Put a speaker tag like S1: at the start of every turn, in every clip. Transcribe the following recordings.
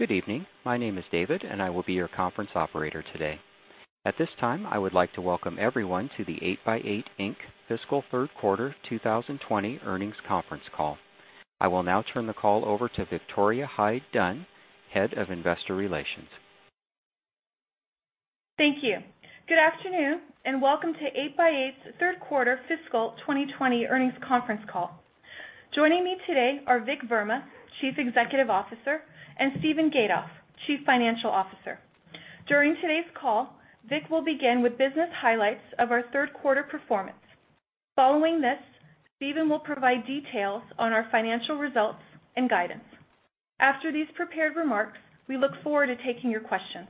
S1: Good evening. My name is David, and I will be your conference operator today. At this time, I would like to welcome everyone to the 8x8, Inc. fiscal third quarter 2020 earnings conference call. I will now turn the call over to Victoria Hyde-Dunn, Head of Investor relations.
S2: Thank you. Good afternoon, and welcome to 8x8's third quarter fiscal 2020 earnings conference call. Joining me today are Vik Verma, Chief Executive Officer, and Steven Gatoff, Chief Financial Officer. During today's call, Vik will begin with business highlights of our third quarter performance. Following this, Steven will provide details on our financial results and guidance. After these prepared remarks, we look forward to taking your questions.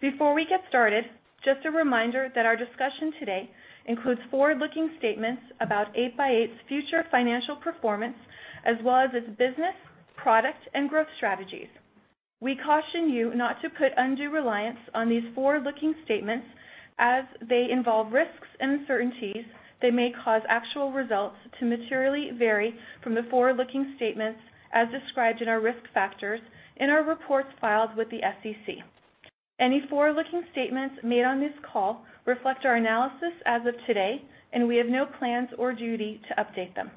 S2: Before we get started, just a reminder that our discussion today includes forward-looking statements about 8x8's future financial performance, as well as its business, product, and growth strategies. We caution you not to put undue reliance on these forward-looking statements as they involve risks and uncertainties that may cause actual results to materially vary from the forward-looking statements as described in our risk factors in our reports filed with the SEC. Any forward-looking statements made on this call reflect our analysis as of today, and we have no plans or duty to update them.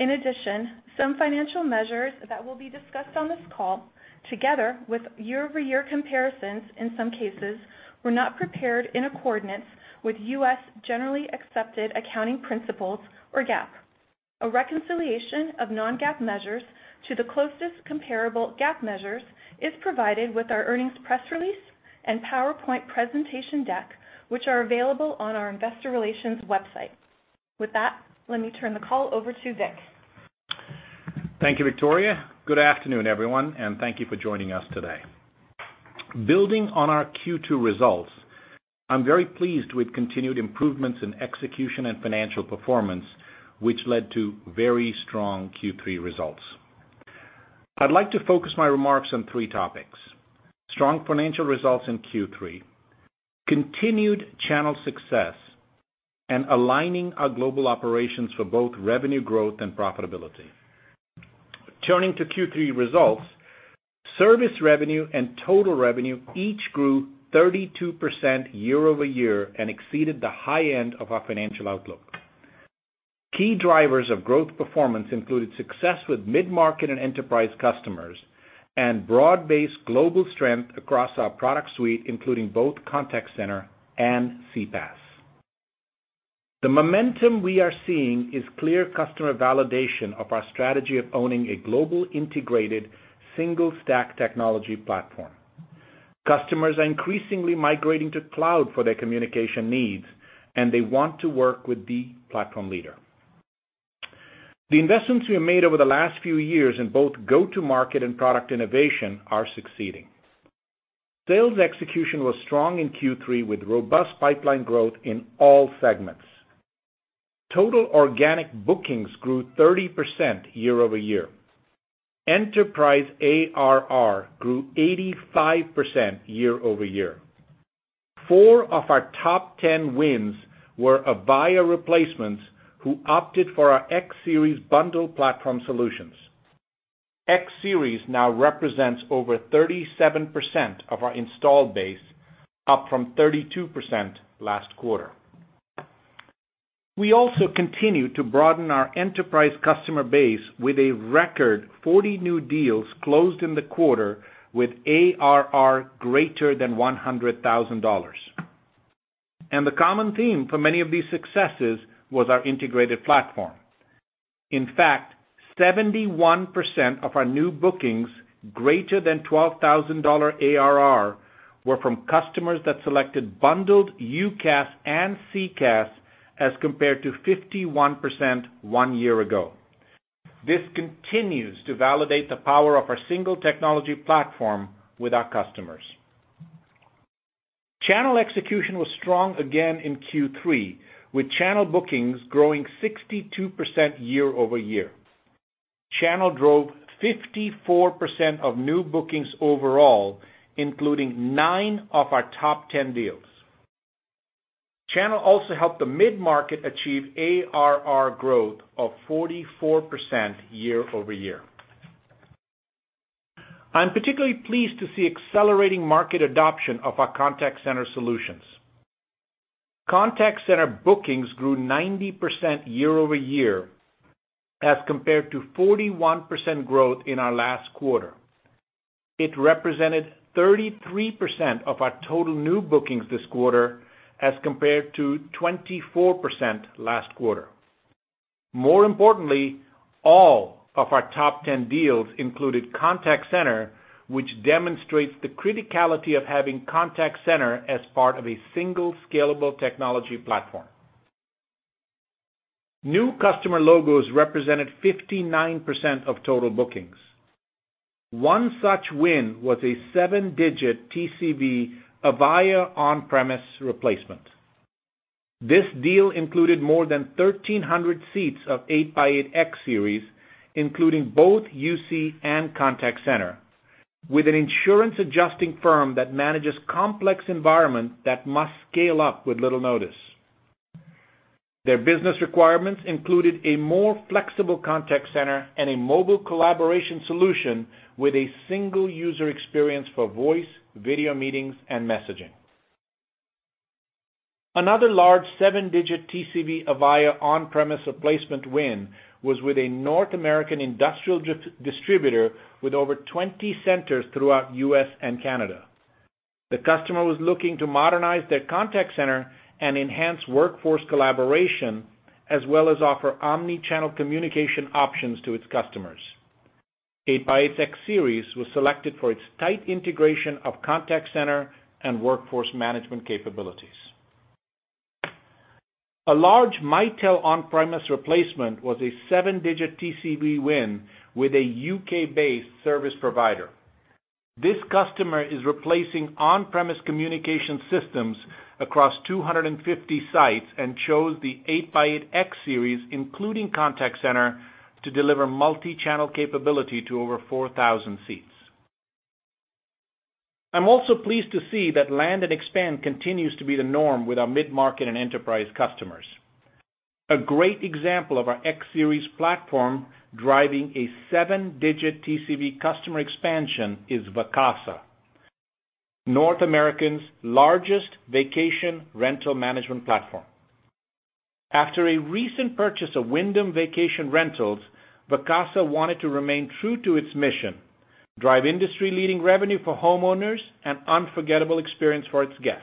S2: In addition, some financial measures that will be discussed on this call, together with year-over-year comparisons in some cases, were not prepared in accordance with U.S. generally accepted accounting principles, or GAAP. A reconciliation of non-GAAP measures to the closest comparable GAAP measures is provided with our earnings press release and PowerPoint presentation deck, which are available on our investor relations website. With that, let me turn the call over to Vik.
S3: Thank you, Victoria. Good afternoon, everyone, and thank you for joining us today. Building on our Q2 results, I'm very pleased with continued improvements in execution and financial performance, which led to very strong Q3 results. I'd like to focus my remarks on three topics: strong financial results in Q3, continued channel success, and aligning our global operations for both revenue growth and profitability. Turning to Q3 results, service revenue and total revenue each grew 32% year-over-year and exceeded the high end of our financial outlook. Key drivers of growth performance included success with mid-market and enterprise customers and broad-based global strength across our product suite, including both contact center and CPaaS. The momentum we are seeing is clear customer validation of our strategy of owning a global integrated single-stack technology platform. Customers are increasingly migrating to cloud for their communication needs, and they want to work with the platform leader. The investments we have made over the last few years in both go-to-market and product innovation are succeeding. Sales execution was strong in Q3 with robust pipeline growth in all segments. Total organic bookings grew 30% year-over-year. Enterprise ARR grew 85% year-over-year. Four of our top 10 wins were Avaya replacements who opted for our X Series bundle platform solutions. X Series now represents over 37% of our installed base, up from 32% last quarter. We also continue to broaden our enterprise customer base with a record 40 new deals closed in the quarter with ARR greater than $100,000. The common theme for many of these successes was our integrated platform. In fact, 71% of our new bookings greater than $12,000 ARR were from customers that selected bundled UCaaS and CCaaS, as compared to 51% one year ago. This continues to validate the power of our single technology platform with our customers. Channel execution was strong again in Q3, with channel bookings growing 62% year-over-year. Channel drove 54% of new bookings overall, including nine of our top 10 deals. Channel also helped the mid-market achieve ARR growth of 44% year-over-year. I'm particularly pleased to see accelerating market adoption of our contact center solutions. Contact center bookings grew 90% year-over-year as compared to 41% growth in our last quarter. It represented 33% of our total new bookings this quarter as compared to 24% last quarter. More importantly, all of our top 10 deals included contact center, which demonstrates the criticality of having contact center as part of a single scalable technology platform. New customer logos represented 59% of total bookings. One such win was a seven-digit TCV Avaya on-premise replacement. This deal included more than 1,300 seats of 8x8 X Series, including both UC and contact center, with an insurance adjusting firm that manages complex environment that must scale up with little notice. Their business requirements included a more flexible contact center and a mobile collaboration solution with a single user experience for voice, video meetings, and messaging. Another large seven-digit TCV Avaya on-premise replacement win was with a North American industrial distributor with over 20 centers throughout U.S. and Canada. The customer was looking to modernize their contact center and enhance workforce collaboration, as well as offer omni-channel communication options to its customers. 8x8's X Series was selected for its tight integration of contact center and workforce management capabilities. A large Mitel on-premise replacement was a seven-digit TCV win with a U.K.-based service provider. This customer is replacing on-premise communication systems across 250 sites and chose the 8x8 X Series, including contact center, to deliver multi-channel capability to over 4,000 seats. I'm also pleased to see that land and expand continues to be the norm with our mid-market and enterprise customers. A great example of our X Series platform driving a seven-digit TCV customer expansion is Vacasa, North America's largest vacation rental management platform. After a recent purchase of Wyndham Vacation Rentals, Vacasa wanted to remain true to its mission, drive industry-leading revenue for homeowners, and unforgettable experience for its guests.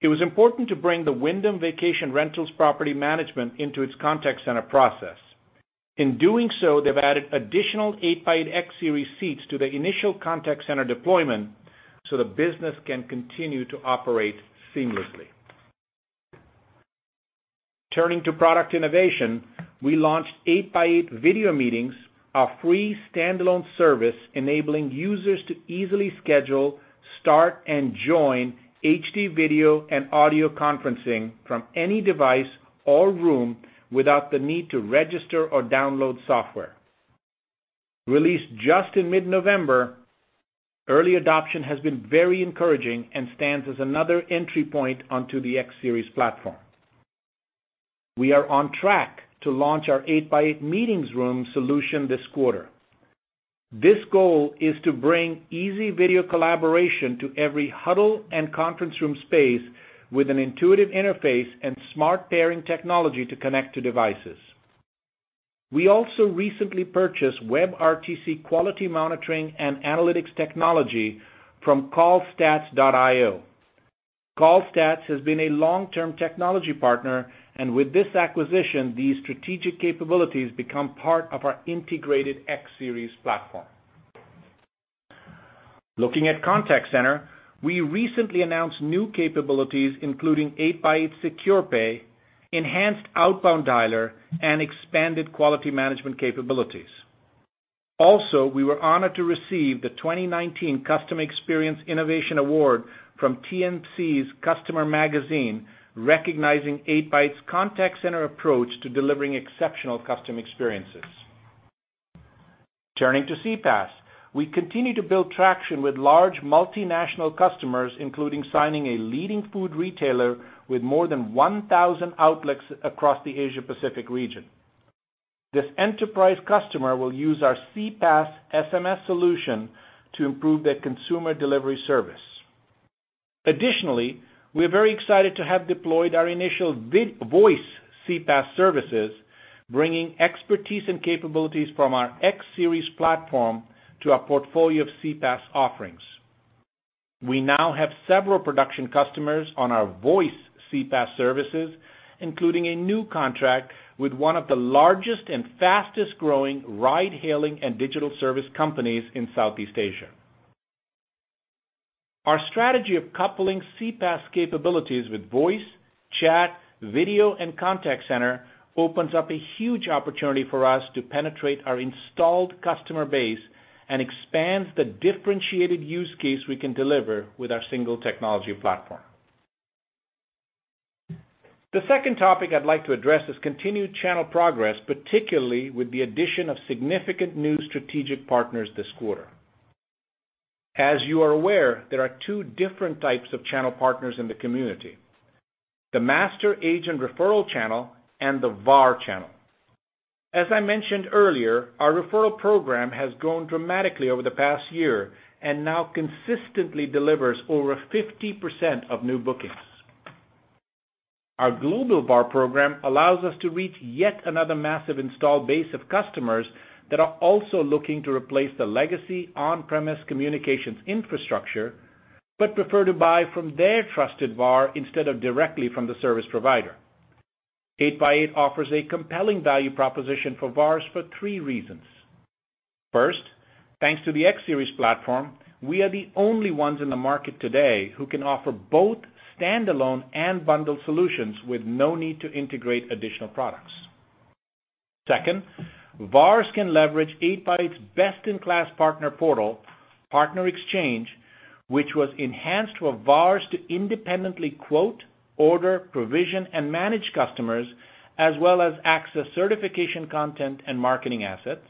S3: It was important to bring the Wyndham Vacation Rentals property management into its contact center process. In doing so, they've added additional 8x8 X Series seats to the initial contact center deployment, so the business can continue to operate seamlessly. Turning to product innovation, we launched 8x8 Video Meetings, our free standalone service enabling users to easily schedule, start, and join HD video and audio conferencing from any device or room without the need to register or download software. Released just in mid-November, early adoption has been very encouraging and stands as another entry point onto the X Series platform. We are on track to launch our 8x8 Meeting Rooms solution this quarter. This goal is to bring easy video collaboration to every huddle and conference room space with an intuitive interface and smart pairing technology to connect to devices. We also recently purchased WebRTC quality monitoring and analytics technology from callstats.io. CallStats has been a long-term technology partner, and with this acquisition, these strategic capabilities become part of our integrated X Series platform. Looking at Contact Center, we recently announced new capabilities, including 8x8 Secure Pay, enhanced outbound dialer, and expanded quality management capabilities. Also, we were honored to receive the 2019 Customer Experience Innovation Award from TMC's Customer Magazine, recognizing 8x8's contact center approach to delivering exceptional customer experiences. Turning to CPaaS, we continue to build traction with large multinational customers, including signing a leading food retailer with more than 1,000 outlets across the Asia-Pacific region. This enterprise customer will use our CPaaS SMS solution to improve their consumer delivery service. Additionally, we're very excited to have deployed our initial voice CPaaS services, bringing expertise and capabilities from our X Series platform to our portfolio of CPaaS offerings. We now have several production customers on our voice CPaaS services, including a new contract with one of the largest and fastest-growing ride hailing and digital service companies in Southeast Asia. Our strategy of coupling CPaaS capabilities with voice, chat, video, and contact center opens up a huge opportunity for us to penetrate our installed customer base and expands the differentiated use case we can deliver with our single technology platform. The second topic I'd like to address is continued channel progress, particularly with the addition of significant new strategic partners this quarter. As you are aware, there are two different types of channel partners in the community, the master agent referral channel and the VAR channel. As I mentioned earlier, our referral program has grown dramatically over the past year and now consistently delivers over 50% of new bookings. Our global VAR program allows us to reach yet another massive installed base of customers that are also looking to replace the legacy on-premise communications infrastructure, but prefer to buy from their trusted VAR instead of directly from the service provider. 8x8 offers a compelling value proposition for VARs for three reasons. First, thanks to the X Series platform, we are the only ones in the market today who can offer both standalone and bundled solutions with no need to integrate additional products. Second, VARs can leverage 8x8's best-in-class partner portal, PartnerXchange, which was enhanced for VARs to independently quote, order, provision, and manage customers, as well as access certification content and marketing assets.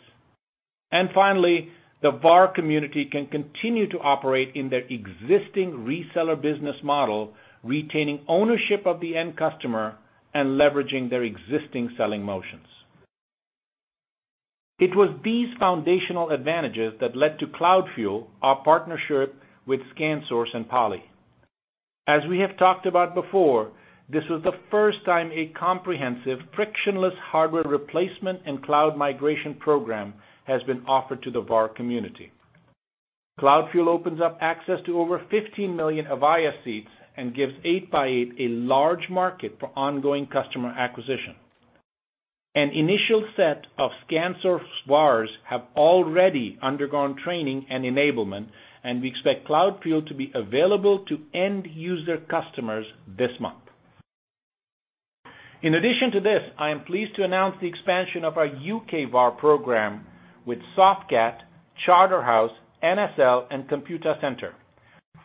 S3: Finally, the VAR community can continue to operate in their existing reseller business model, retaining ownership of the end customer and leveraging their existing selling motions. It was these foundational advantages that led to CloudFuel, our partnership with ScanSource and Poly. As we have talked about before, this was the first time a comprehensive, frictionless hardware replacement and cloud migration program has been offered to the VAR community. CloudFuel opens up access to over 15 million Avaya seats and gives 8x8 a large market for ongoing customer acquisition. An initial set of ScanSource VARs have already undergone training and enablement, and we expect CloudFuel to be available to end user customers this month. In addition to this, I am pleased to announce the expansion of our U.K. VAR program with Softcat, Charterhouse, NSL, and Computacenter,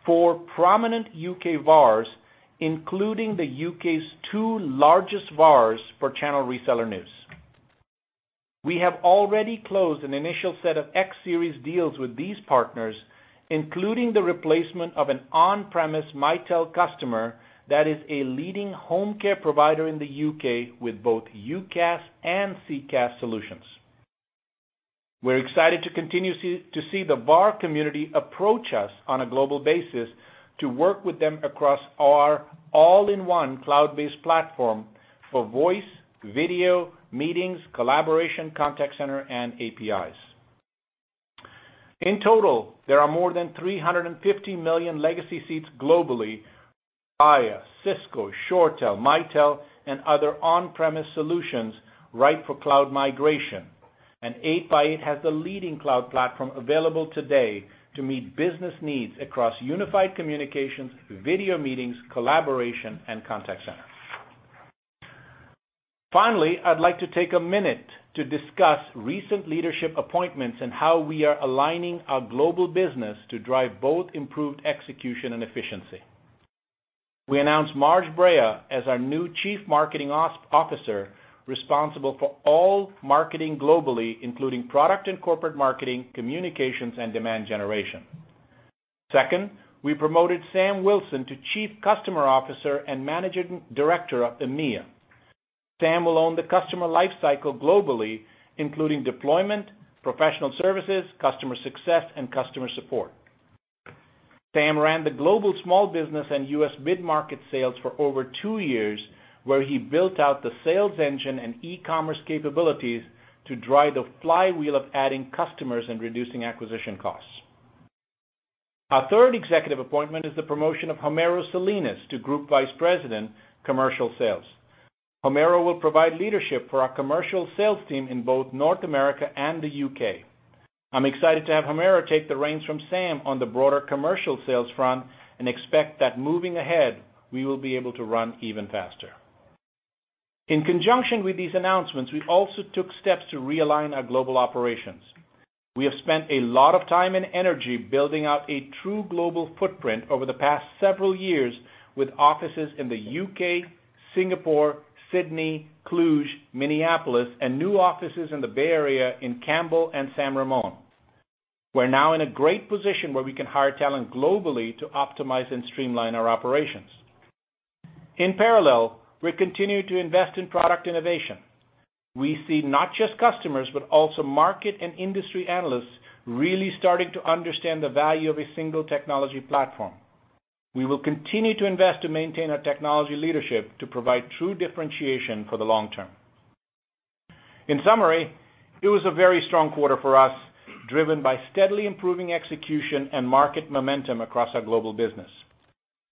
S3: four prominent U.K. VARs, including the U.K.'s two largest VARs for channel reseller news. We have already closed an initial set of X Series deals with these partners, including the replacement of an on-premise Mitel customer that is a leading home care provider in the U.K. with both UCaaS and CCaaS solutions. We're excited to continue to see the VAR community approach us on a global basis to work with them across our all-in-one cloud-based platform for voice, video, meetings, collaboration, contact center, and APIs. In total, there are more than 350 million legacy seats globally, Avaya, Cisco, ShoreTel, Mitel, and other on-premise solutions ripe for cloud migration. 8x8 has the leading cloud platform available today to meet business needs across unified communications, video meetings, collaboration, and contact center. Finally, I'd like to take a minute to discuss recent leadership appointments and how we are aligning our global business to drive both improved execution and efficiency. We announced Marge Breya as our new Chief Marketing Officer, responsible for all marketing globally, including product and corporate marketing, communications, and demand generation. Second, we promoted Sam Wilson to Chief Customer Officer and Managing Director of EMEA. Sam will own the customer life cycle globally, including deployment, professional services, customer success, and customer support. Sam ran the global small business and U.S. mid-market sales for over two years, where he built out the sales engine and e-commerce capabilities to drive the flywheel of adding customers and reducing acquisition costs. Our third executive appointment is the promotion of Homero Salinas to Group Vice President, Commercial Sales. Homero will provide leadership for our commercial sales team in both North America and the U.K. I'm excited to have Homero take the reins from Sam on the broader commercial sales front and expect that moving ahead, we will be able to run even faster. In conjunction with these announcements, we also took steps to realign our global operations. We have spent a lot of time and energy building out a true global footprint over the past several years with offices in the U.K., Singapore, Sydney, Cluj, Minneapolis, and new offices in the Bay Area in Campbell and San Ramon. We're now in a great position where we can hire talent globally to optimize and streamline our operations. In parallel, we're continuing to invest in product innovation. We see not just customers, but also market and industry analysts really starting to understand the value of a single technology platform. We will continue to invest to maintain our technology leadership to provide true differentiation for the long term. In summary, it was a very strong quarter for us, driven by steadily improving execution and market momentum across our global business.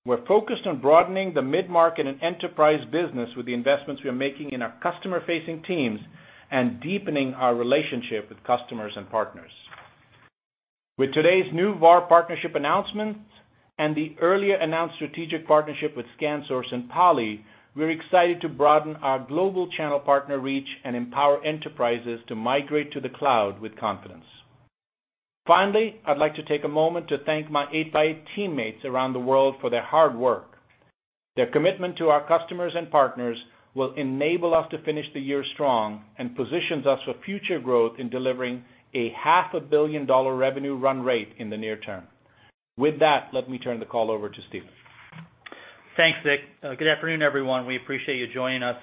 S3: We're focused on broadening the mid-market and enterprise business with the investments we are making in our customer-facing teams and deepening our relationship with customers and partners. With today's new VAR partnership announcements and the earlier announced strategic partnership with ScanSource and Poly, we're excited to broaden our global channel partner reach and empower enterprises to migrate to the cloud with confidence. Finally, I'd like to take a moment to thank my 8x8 teammates around the world for their hard work. Their commitment to our customers and partners will enable us to finish the year strong and positions us for future growth in delivering $500 million revenue run rate in the near term. With that, let me turn the call over to Steven.
S4: Thanks, Vik. Good afternoon, everyone. We appreciate you joining us.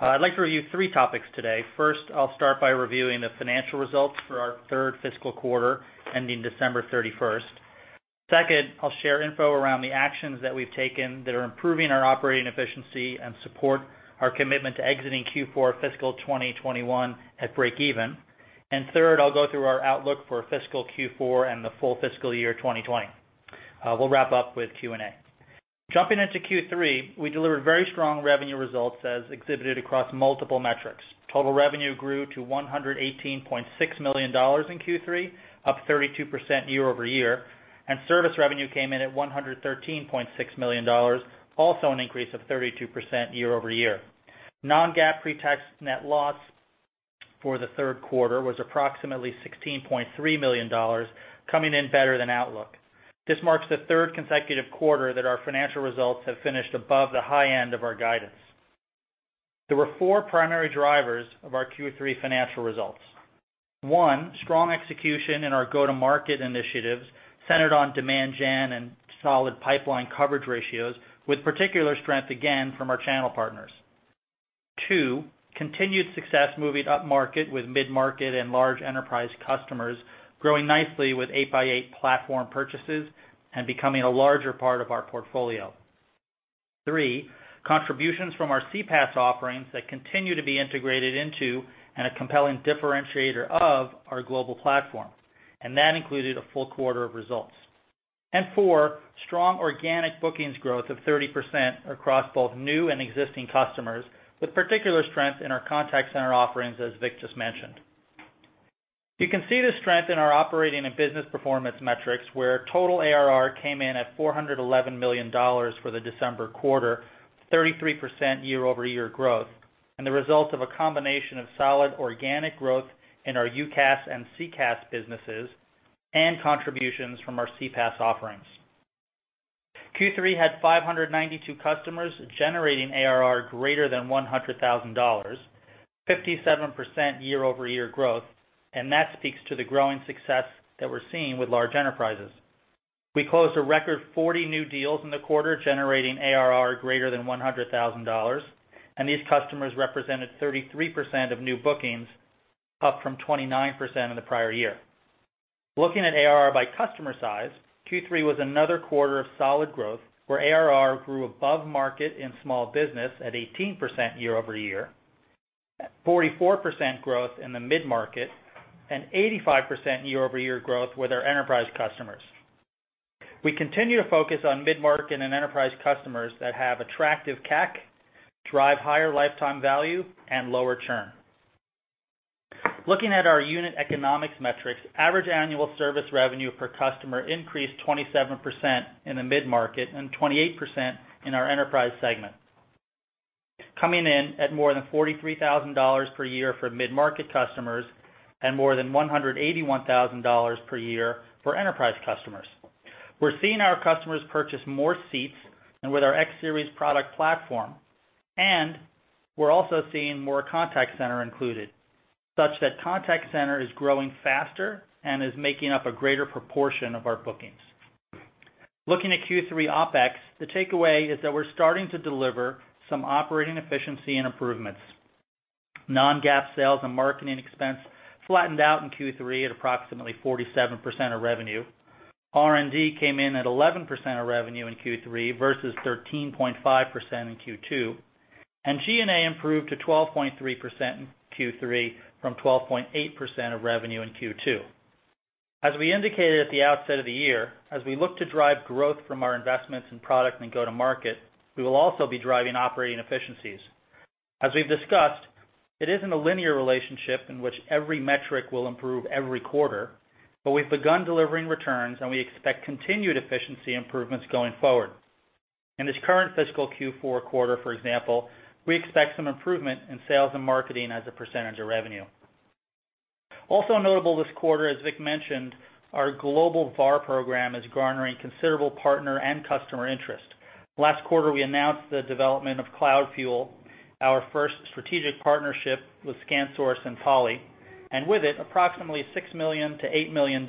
S4: I'd like to review three topics today. First, I'll start by reviewing the financial results for our third fiscal quarter ending December 31st. Second, I'll share info around the actions that we've taken that are improving our operating efficiency and support our commitment to exiting Q4 fiscal 2021 at break even. Third, I'll go through our outlook for fiscal Q4 and the full fiscal year 2020. We'll wrap up with Q&A. Jumping into Q3, we delivered very strong revenue results as exhibited across multiple metrics. Total revenue grew to $118.6 million in Q3, up 32% year-over-year. Service revenue came in at $113.6 million, also an increase of 32% year-over-year. Non-GAAP pre-tax net loss for the third quarter was approximately $16.3 million, coming in better than outlook. This marks the third consecutive quarter that our financial results have finished above the high end of our guidance. There were four primary drivers of our Q3 financial results. One. Strong execution in our go-to-market initiatives centered on demand gen and solid pipeline coverage ratios, with particular strength, again, from our channel partners. Two. Continued success moving upmarket with mid-market and large enterprise customers, growing nicely with 8x8 platform purchases and becoming a larger part of our portfolio. Three. Contributions from our CPaaS offerings that continue to be integrated into, and a compelling differentiator of, our global platform. That included a full quarter of results. Four. Strong organic bookings growth of 30% across both new and existing customers, with particular strength in our contact center offerings, as Vik just mentioned. You can see the strength in our operating and business performance metrics, where total ARR came in at $411 million for the December quarter, 33% year-over-year growth, the result of a combination of solid organic growth in our UCaaS and CCaaS businesses, and contributions from our CPaaS offerings. Q3 had 592 customers generating ARR greater than $100,000, 57% year-over-year growth, that speaks to the growing success that we're seeing with large enterprises. We closed a record 40 new deals in the quarter, generating ARR greater than $100,000, these customers represented 33% of new bookings, up from 29% in the prior year. Looking at ARR by customer size, Q3 was another quarter of solid growth, where ARR grew above market in small business at 18% year-over-year, at 44% growth in the mid-market, 85% year-over-year growth with our enterprise customers. We continue to focus on mid-market and enterprise customers that have attractive CAC, drive higher lifetime value, and lower churn. Looking at our unit economics metrics, average annual service revenue per customer increased 27% in the mid-market and 28% in our enterprise segment, coming in at more than $43,000 per year for mid-market customers and more than $181,000 per year for enterprise customers. We're seeing our customers purchase more seats with our X Series product platform, and we're also seeing more contact center included, such that contact center is growing faster and is making up a greater proportion of our bookings. Looking at Q3 OpEx, the takeaway is that we're starting to deliver some operating efficiency and improvements. Non-GAAP sales and marketing expense flattened out in Q3 at approximately 47% of revenue. R&D came in at 11% of revenue in Q3 versus 13.5% in Q2. G&A improved to 12.3% in Q3 from 12.8% of revenue in Q2. As we indicated at the outset of the year, as we look to drive growth from our investments in product and go-to-market, we will also be driving operating efficiencies. As we've discussed, it isn't a linear relationship in which every metric will improve every quarter, but we've begun delivering returns, and we expect continued efficiency improvements going forward. In this current fiscal Q4 quarter, for example, we expect some improvement in sales and marketing as a percentage of revenue. Also notable this quarter, as Vik mentioned, our global VAR program is garnering considerable partner and customer interest. Last quarter, we announced the development of CloudFuel, our first strategic partnership with ScanSource and Poly, and with it, approximately $6 million-$8 million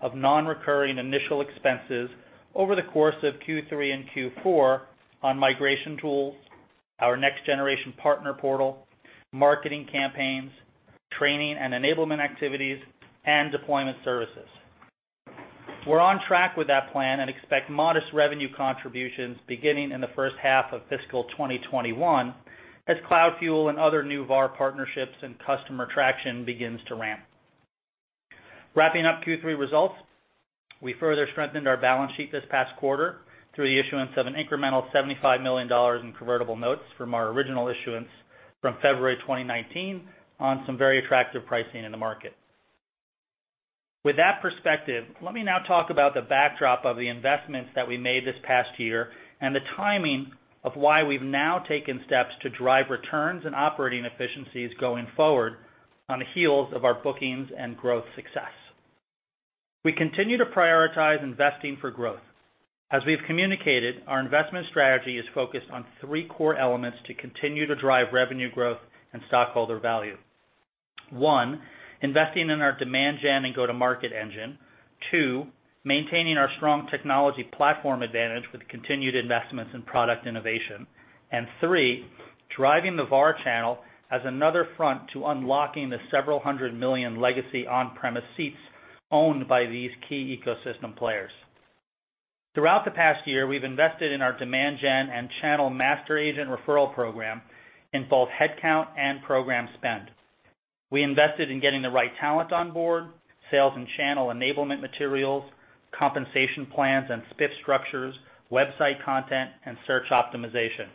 S4: of non-recurring initial expenses over the course of Q3 and Q4 on migration tools, our next generation partner portal, marketing campaigns, training and enablement activities, and deployment services. We're on track with that plan and expect modest revenue contributions beginning in the first half of fiscal 2021 as CloudFuel and other new VAR partnerships and customer traction begins to ramp. Wrapping up Q3 results, we further strengthened our balance sheet this past quarter through the issuance of an incremental $75 million in Convertible Notes from our original issuance from February 2019 on some very attractive pricing in the market. With that perspective, let me now talk about the backdrop of the investments that we made this past year and the timing of why we've now taken steps to drive returns and operating efficiencies going forward on the heels of our bookings and growth success. We continue to prioritize investing for growth. As we've communicated, our investment strategy is focused on three core elements to continue to drive revenue growth and stockholder value. One, investing in our demand gen and go-to-market engine. Two, maintaining our strong technology platform advantage with continued investments in product innovation. Three, driving the VAR channel as another front to unlocking the several hundred million legacy on-premise seats owned by these key ecosystem players. Throughout the past year, we've invested in our demand gen and channel master agent referral program in both headcount and program spend. We invested in getting the right talent on board, sales and channel enablement materials, compensation plans and spiff structures, website content, and search optimization.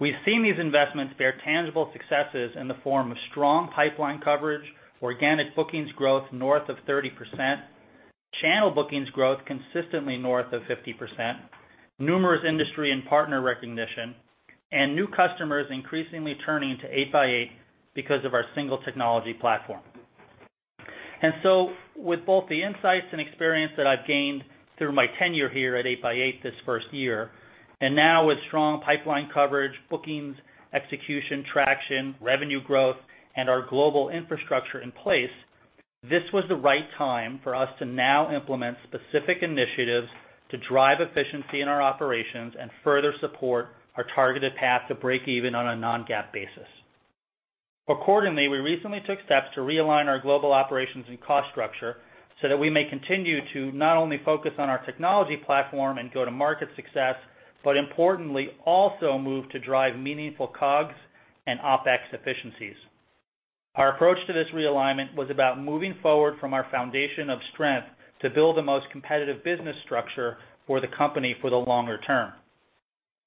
S4: We've seen these investments bear tangible successes in the form of strong pipeline coverage, organic bookings growth north of 30%, channel bookings growth consistently north of 50%, numerous industry and partner recognition, and new customers increasingly turning to 8x8 because of our single technology platform. With both the insights and experience that I've gained through my tenure here at 8x8 this first year, and now with strong pipeline coverage, bookings, execution, traction, revenue growth, and our global infrastructure in place, this was the right time for us to now implement specific initiatives to drive efficiency in our operations and further support our targeted path to break even on a non-GAAP basis. Accordingly, we recently took steps to realign our global operations and cost structure so that we may continue to not only focus on our technology platform and go-to-market success, but importantly, also move to drive meaningful COGS and OpEx efficiencies. Our approach to this realignment was about moving forward from our foundation of strength to build the most competitive business structure for the company for the longer term.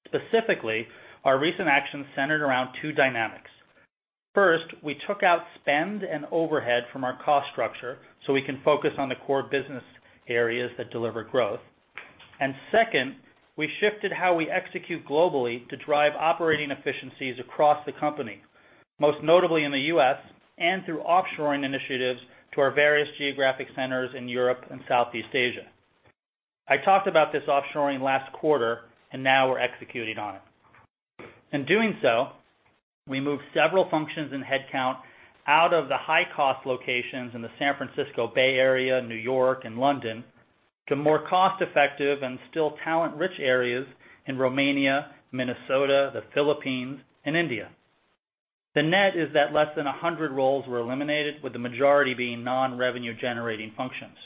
S4: Specifically, our recent actions centered around two dynamics. First, we took out spend and overhead from our cost structure so we can focus on the core business areas that deliver growth. Second, we shifted how we execute globally to drive operating efficiencies across the company, most notably in the U.S. and through offshoring initiatives to our various geographic centers in Europe and Southeast Asia. I talked about this offshoring last quarter, and now we're executing on it. In doing so, we moved several functions in headcount out of the high-cost locations in the San Francisco Bay Area, New York, and London, to more cost-effective and still talent-rich areas in Romania, Minnesota, the Philippines, and India. The net is that less than 100 roles were eliminated, with the majority being non-revenue-generating functions.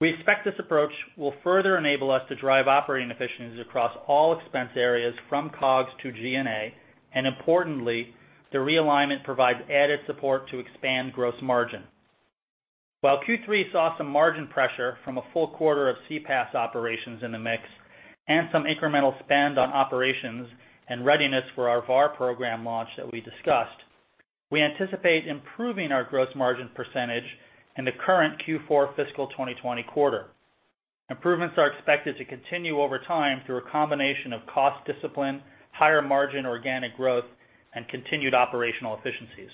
S4: We expect this approach will further enable us to drive operating efficiencies across all expense areas from COGS to G&A, and importantly, the realignment provides added support to expand gross margin. While Q3 saw some margin pressure from a full quarter of CPaaS operations in the mix, and some incremental spend on operations and readiness for our VAR program launch that we discussed, we anticipate improving our gross margin percentage in the current Q4 fiscal 2020 quarter. Improvements are expected to continue over time through a combination of cost discipline, higher margin organic growth, and continued operational efficiencies.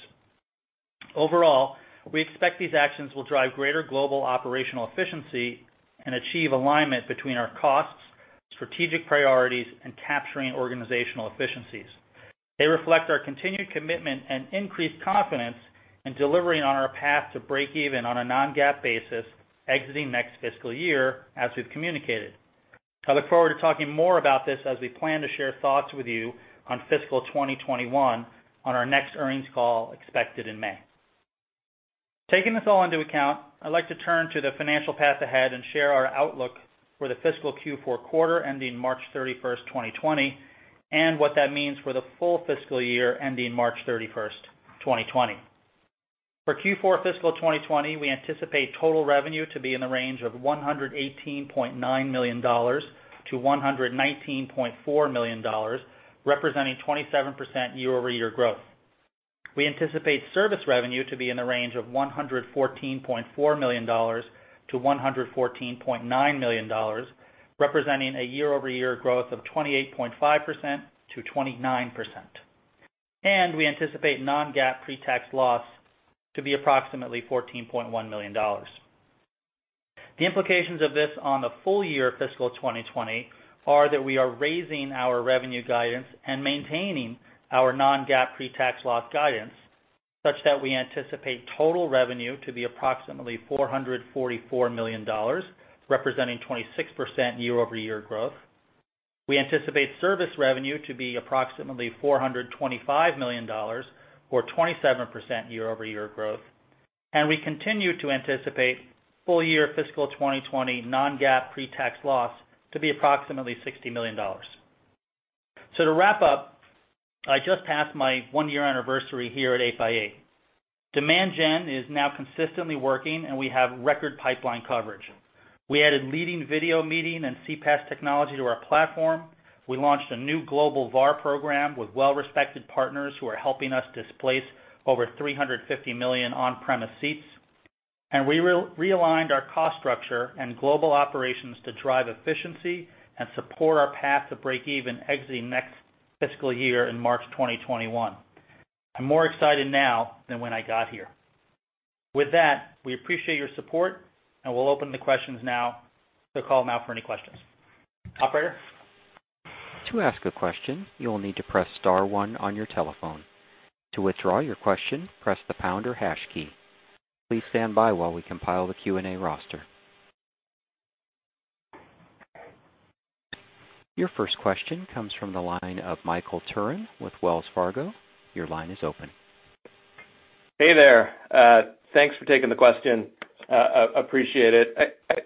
S4: Overall, we expect these actions will drive greater global operational efficiency and achieve alignment between our costs, strategic priorities, and capturing organizational efficiencies. They reflect our continued commitment and increased confidence in delivering on our path to break even on a non-GAAP basis exiting next fiscal year, as we've communicated. I look forward to talking more about this as we plan to share thoughts with you on fiscal 2021 on our next earnings call expected in May. Taking this all into account, I'd like to turn to the financial path ahead and share our outlook for the fiscal Q4 quarter ending March 31st, 2020, and what that means for the full fiscal year ending March 31st, 2020. For Q4 fiscal 2020, we anticipate total revenue to be in the range of $118.9 million-$119.4 million, representing 27% year-over-year growth. We anticipate service revenue to be in the range of $114.4 million-$114.9 million, representing a year-over-year growth of 28.5%-29%. We anticipate non-GAAP pre-tax loss to be approximately $14.1 million. The implications of this on the full year fiscal 2020 are that we are raising our revenue guidance and maintaining our non-GAAP pre-tax loss guidance, such that we anticipate total revenue to be approximately $444 million, representing 26% year-over-year growth. We anticipate service revenue to be approximately $425 million or 27% year-over-year growth. We continue to anticipate full year fiscal 2020 non-GAAP pre-tax loss to be approximately $60 million. To wrap up, I just passed my one-year anniversary here at 8x8. Demand gen is now consistently working, and we have record pipeline coverage. We added leading video meeting and CPaaS technology to our platform. We launched a new global VAR program with well-respected partners who are helping us displace over $350 million on-premise seats. We realigned our cost structure and global operations to drive efficiency and support our path to break even exiting next fiscal year in March 2021. I'm more excited now than when I got here. With that, we appreciate your support, and we'll open the questions now, so call them out for any questions. Operator?
S1: To ask a question, you will need to press star one on your telephone. To withdraw your question, press the pound or hash key. Please stand by while we compile the Q&A roster. Your first question comes from the line of Michael Turrin with Wells Fargo. Your line is open.
S5: Hey there. Thanks for taking the question. Appreciate it.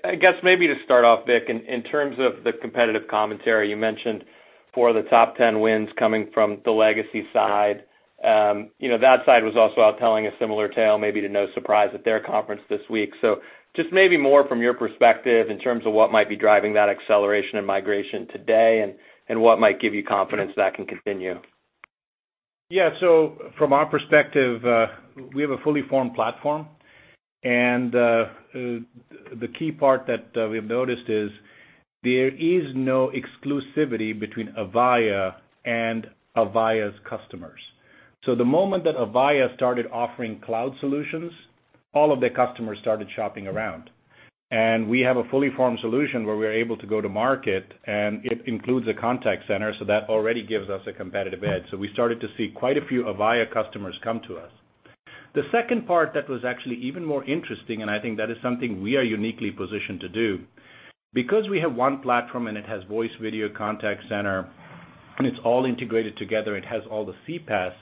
S5: I guess maybe to start off, Vik, in terms of the competitive commentary you mentioned for the top 10 wins coming from the legacy side, that side was also out telling a similar tale, maybe to no surprise, at their conference this week. Just maybe more from your perspective in terms of what might be driving that acceleration and migration today and what might give you confidence that can continue?
S3: Yeah. From our perspective, we have a fully formed platform, and the key part that we have noticed is, there is no exclusivity between Avaya and Avaya's customers. The moment that Avaya started offering cloud solutions, all of their customers started shopping around. We have a fully formed solution where we're able to go to market, and it includes a contact center, so that already gives us a competitive edge. We started to see quite a few Avaya customers come to us. The second part that was actually even more interesting, and I think that is something we are uniquely positioned to do, because we have one platform and it has voice, video, contact center, and it's all integrated together, it has all the CPaaS,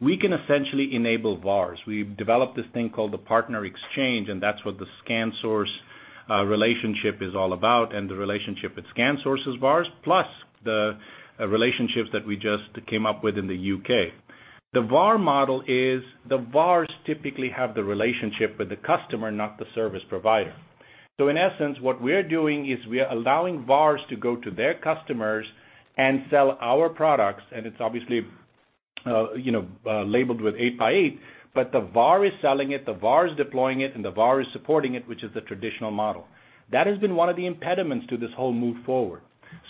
S3: we can essentially enable VARs. We've developed this thing called the PartnerXchange, and that's what the ScanSource relationship is all about, and the relationship with ScanSource's VARs, plus the relationships that we just came up with in the U.K. The VAR model is the VARs typically have the relationship with the customer, not the service provider. In essence, what we're doing is we are allowing VARs to go to their customers and sell our products, and it's obviously labeled with 8x8, but the VAR is selling it, the VAR is deploying it, and the VAR is supporting it, which is the traditional model. That has been one of the impediments to this whole move forward.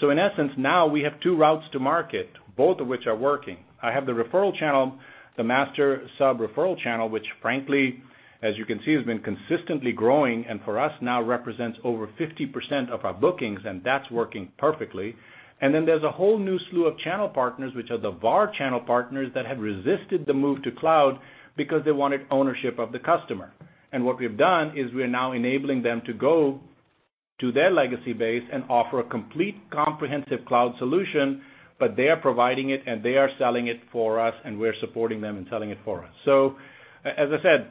S3: In essence, now we have two routes to market, both of which are working. I have the referral channel, the master sub-referral channel, which frankly, as you can see, has been consistently growing, and for us now represents over 50% of our bookings, and that's working perfectly. Then there's a whole new slew of channel partners, which are the VAR channel partners that had resisted the move to cloud because they wanted ownership of the customer. What we've done is we're now enabling them to go to their legacy base and offer a complete, comprehensive cloud solution, but they are providing it and they are selling it for us, and we're supporting them in selling it for us. As I said,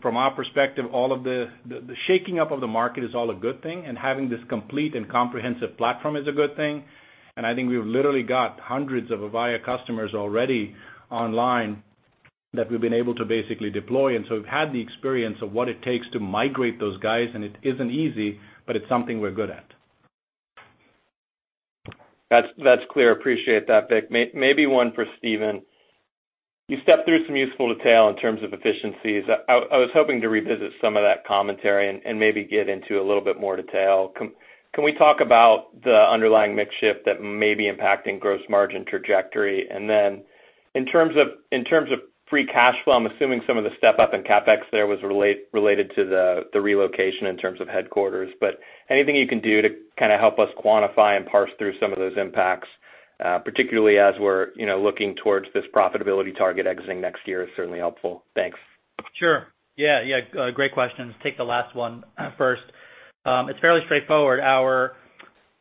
S3: from our perspective, all of the shaking up of the market is all a good thing, and having this complete and comprehensive platform is a good thing. I think we've literally got hundreds of Avaya customers already online that we've been able to basically deploy. We've had the experience of what it takes to migrate those guys, and it isn't easy, but it's something we're good at.
S5: That's clear. Appreciate that, Vik. Maybe one for Steven. You stepped through some useful detail in terms of efficiencies. I was hoping to revisit some of that commentary and maybe get into a little bit more detail. Can we talk about the underlying mix shift that may be impacting gross margin trajectory? Then in terms of free cash flow, I'm assuming some of the step up in CapEx there was related to the relocation in terms of headquarters, but anything you can do to help us quantify and parse through some of those impacts, particularly as we're looking towards this profitability target exiting next year is certainly helpful. Thanks.
S4: Sure. Great question. Take the last one first. It is fairly straightforward. Our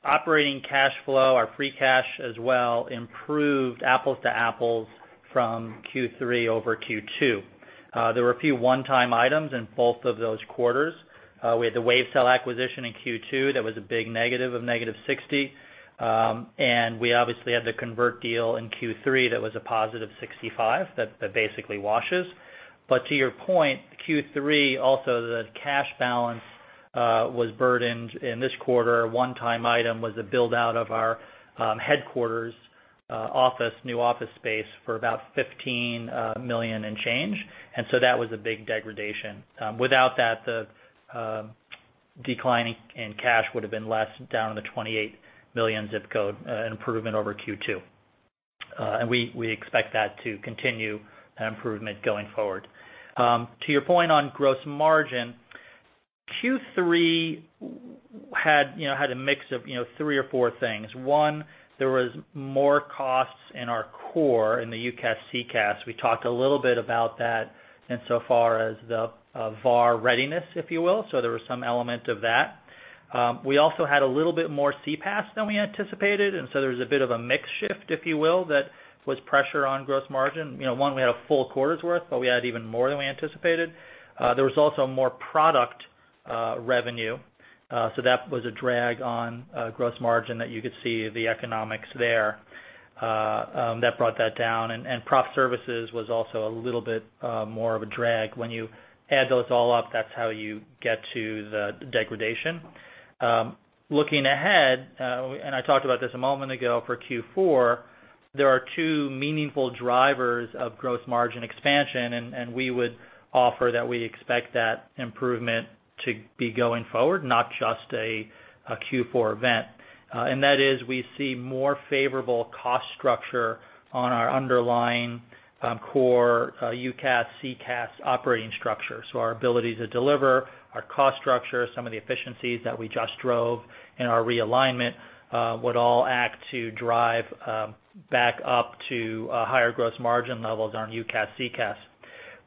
S4: operating cash flow, our free cash as well, improved apples to apples from Q3 over Q2. There were a few one-time items in both of those quarters. We had the Wavecell acquisition in Q2 that was a big negative of -$60. We obviously had the Convert deal in Q3 that was a +$65, that basically washes. To your point, Q3 also, the cash balance was burdened in this quarter. A one-time item was the build-out of our headquarters new office space for about $15 million and change. That was a big degradation. Without that, the decline in cash would've been less down in the $28 million zip code, an improvement over Q2. We expect that to continue, that improvement going forward. To your point on gross margin, Q3 had a mix of three or four things. One, there was more costs in our core in the UCaaS, CCaaS. We talked a little bit about that in so far as the VAR readiness, if you will. There was some element of that. We also had a little bit more CPaaS than we anticipated, and so there was a bit of a mix shift, if you will, that was pressure on gross margin. One, we had a full quarter's worth, but we had even more than we anticipated. There was also more product revenue, so that was a drag on gross margin that you could see the economics there that brought that down. Prof services was also a little bit more of a drag. When you add those all up, that's how you get to the degradation. Looking ahead, I talked about this a moment ago for Q4, there are two meaningful drivers of gross margin expansion, we would offer that we expect that improvement to be going forward, not just a Q4 event. That is, we see more favorable cost structure on our underlying core UCaaS, CCaaS operating structure. Our ability to deliver our cost structure, some of the efficiencies that we just drove in our realignment, would all act to drive back up to higher gross margin levels on UCaaS, CCaaS.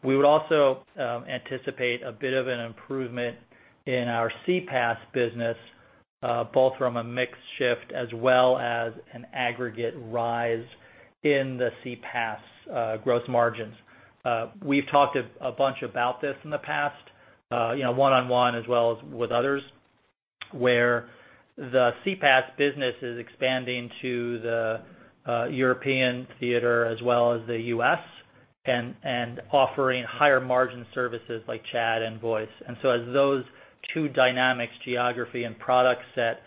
S4: We would also anticipate a bit of an improvement in our CPaaS business, both from a mix shift as well as an aggregate rise in the CPaaS gross margins. We've talked a bunch about this in the past, one-on-one as well as with others, where the CPaaS business is expanding to the European theater as well as the U.S. and offering higher margin services like chat and voice. As those two dynamics, geography and product set,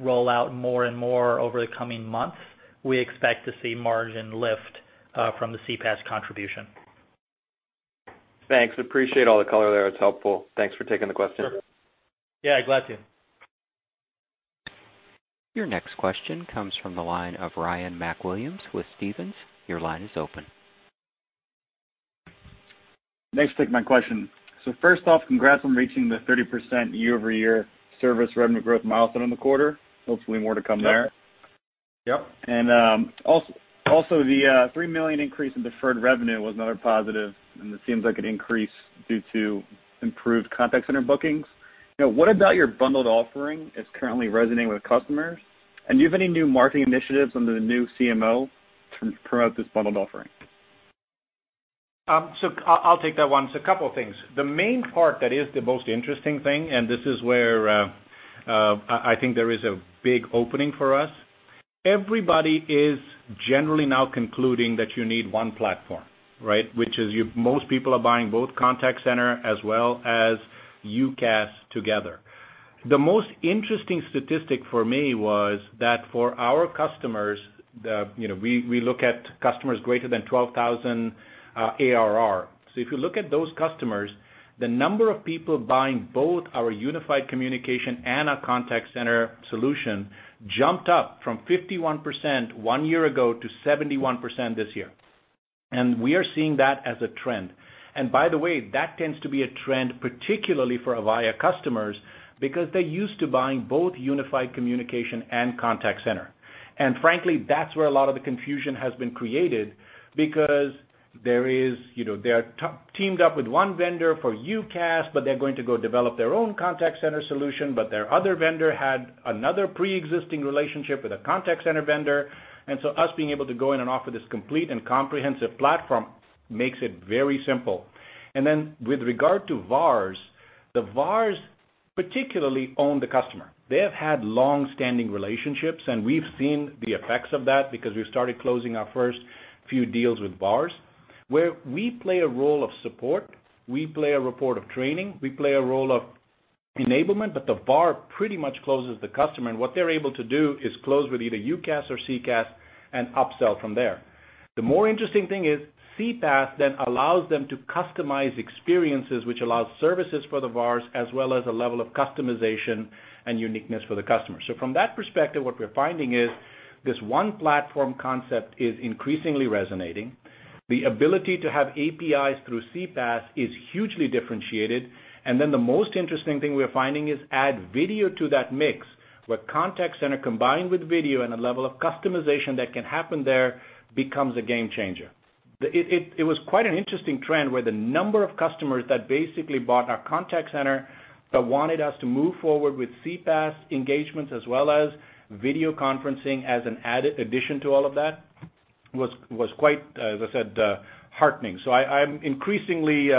S4: roll out more and more over the coming months, we expect to see margin lift from the CPaaS contribution.
S5: Thanks. Appreciate all the color there. It's helpful. Thanks for taking the question.
S4: Sure. Yeah, glad to.
S1: Your next question comes from the line of Ryan McWilliams with Stephens. Your line is open.
S6: Thanks for taking my question. First off, congrats on reaching the 30% year-over-year service revenue growth milestone in the quarter. Hopefully more to come there.
S3: Yep.
S6: Also the $3 million increase in deferred revenue was another positive, and it seems like an increase due to improved contact center bookings. What about your bundled offering is currently resonating with customers? Do you have any new marketing initiatives under the new CMO to promote this bundled offering?
S3: I'll take that one. A couple of things. The main part that is the most interesting thing, and this is where I think there is a big opening for us, everybody is generally now concluding that you need one platform, right? Most people are buying both contact center as well as UCaaS together. The most interesting statistic for me was that for our customers, we look at customers greater than 12,000 ARR. If you look at those customers, the number of people buying both our unified communication and our contact center solution jumped up from 51% one year ago to 71% this year. We are seeing that as a trend. By the way, that tends to be a trend, particularly for Avaya customers, because they're used to buying both unified communication and contact center. Frankly, that's where a lot of the confusion has been created because they are teamed up with one vendor for UCaaS, but they're going to go develop their own contact center solution, but their other vendor had another pre-existing relationship with a contact center vendor. Us being able to go in and offer this complete and comprehensive platform makes it very simple. With regard to VARs, the VARs particularly own the customer. They have had longstanding relationships, and we've seen the effects of that because we've started closing our first few deals with VARs, where we play a role of support, we play a report of training, we play a role of enablement, but the VAR pretty much closes the customer, and what they're able to do is close with either UCaaS or CCaaS and upsell from there. The more interesting thing is CPaaS then allows them to customize experiences, which allows services for the VARs, as well as a level of customization and uniqueness for the customer. From that perspective, what we're finding is this one platform concept is increasingly resonating. The ability to have APIs through CPaaS is hugely differentiated. Then the most interesting thing we're finding is add video to that mix, where contact center combined with video and a level of customization that can happen there becomes a game changer. It was quite an interesting trend where the number of customers that basically bought our contact center, that wanted us to move forward with CPaaS engagements as well as video conferencing as an addition to all of that was quite, as I said, heartening. I'm increasingly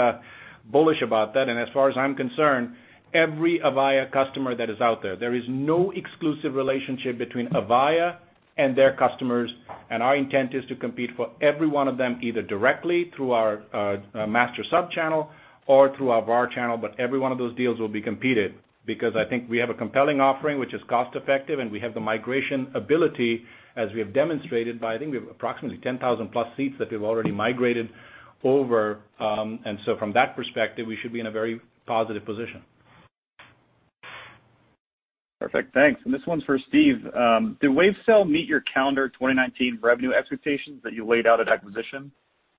S3: bullish about that. As far as I'm concerned, every Avaya customer that is out there is no exclusive relationship between Avaya and their customers, and our intent is to compete for every one of them, either directly through our master sub-channel or through our VAR channel. Every one of those deals will be competed because I think we have a compelling offering, which is cost-effective, and we have the migration ability, as we have demonstrated by, I think we have approximately 10,000+ seats that we've already migrated over. From that perspective, we should be in a very positive position.
S6: Perfect, thanks. This one's for Steven. Did Wavecell meet your calendar 2019 revenue expectations that you laid out at acquisition?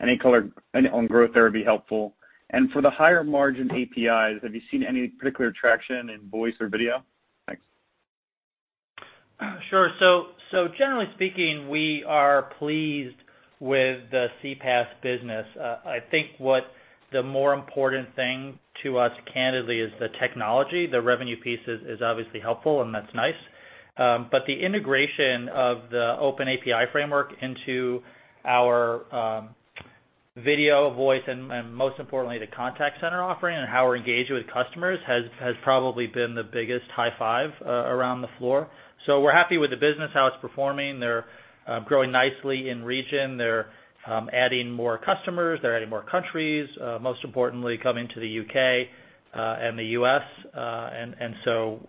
S6: Any color on growth there would be helpful. For the higher margin APIs, have you seen any particular traction in voice or video? Thanks.
S4: Sure. Generally speaking, we are pleased with the CPaaS business. I think what the more important thing to us, candidly, is the technology. The revenue piece is obviously helpful, and that's nice. The integration of the open API framework into our video, voice, and most importantly, the contact center offering and how we're engaging with customers has probably been the biggest high five around the floor. We're happy with the business, how it's performing. They're growing nicely in region. They're adding more customers. They're adding more countries. Most importantly, coming to the U.K. and the U.S.,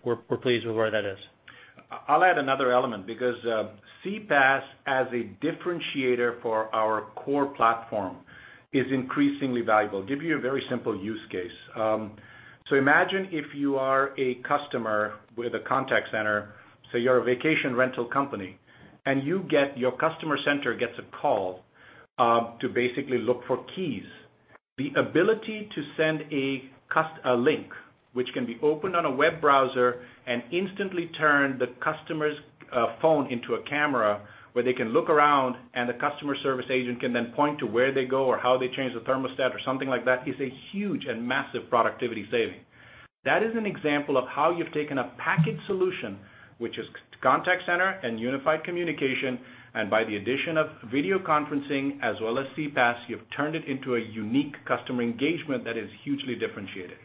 S4: we're pleased with where that is.
S3: I'll add another element because CPaaS as a differentiator for our core platform is increasingly valuable. Give you a very simple use case. Imagine if you are a customer with a contact center, you're a vacation rental company, and your contact center gets a call to basically look for keys. The ability to send a link which can be opened on a web browser and instantly turn the customer's phone into a camera where they can look around and the customer service agent can then point to where they go or how they change the thermostat or something like that is a huge and massive productivity saving. That is an example of how you've taken a packaged solution, which is contact center and unified communication, and by the addition of video conferencing as well as CPaaS, you've turned it into a unique customer engagement that is hugely differentiated.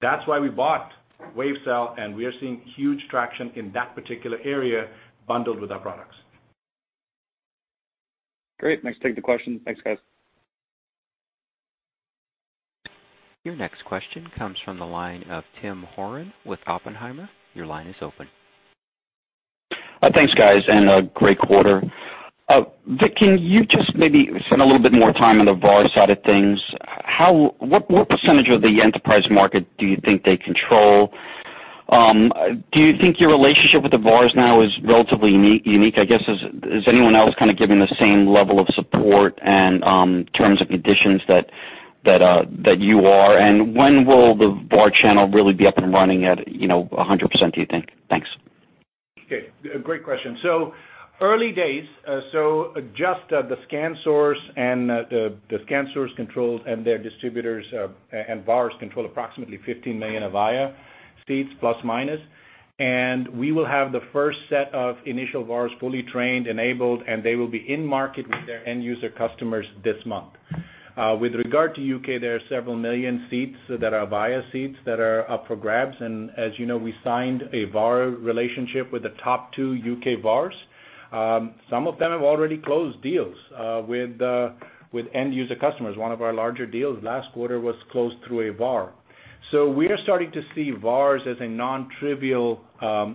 S3: That's why we bought Wavecell, and we are seeing huge traction in that particular area bundled with our products.
S6: Great. Nice to take the question. Thanks, guys.
S1: Your next question comes from the line of Tim Horan with Oppenheimer. Your line is open.
S7: Thanks, guys, and great quarter. Vik, can you just maybe spend a little bit more time on the VAR side of things? What percentage of the enterprise market do you think they control? Do you think your relationship with the VARs now is relatively unique? I guess, is anyone else kind of giving the same level of support and terms and conditions that you are? When will the VAR channel really be up and running at 100%, do you think? Thanks.
S3: Okay. Great question. Early days, just the ScanSource control and their distributors and VARs control approximately 15 million Avaya seats±. We will have the first set of initial VARs fully trained, enabled, and they will be in market with their end user customers this month. With regard to U.K., there are several million seats that are Avaya seats that are up for grabs. As you know, we signed a VAR relationship with the top 2 U.K. VARs. Some of them have already closed deals with end user customers. One of our larger deals last quarter was closed through a VAR. We are starting to see VARs as a non-trivial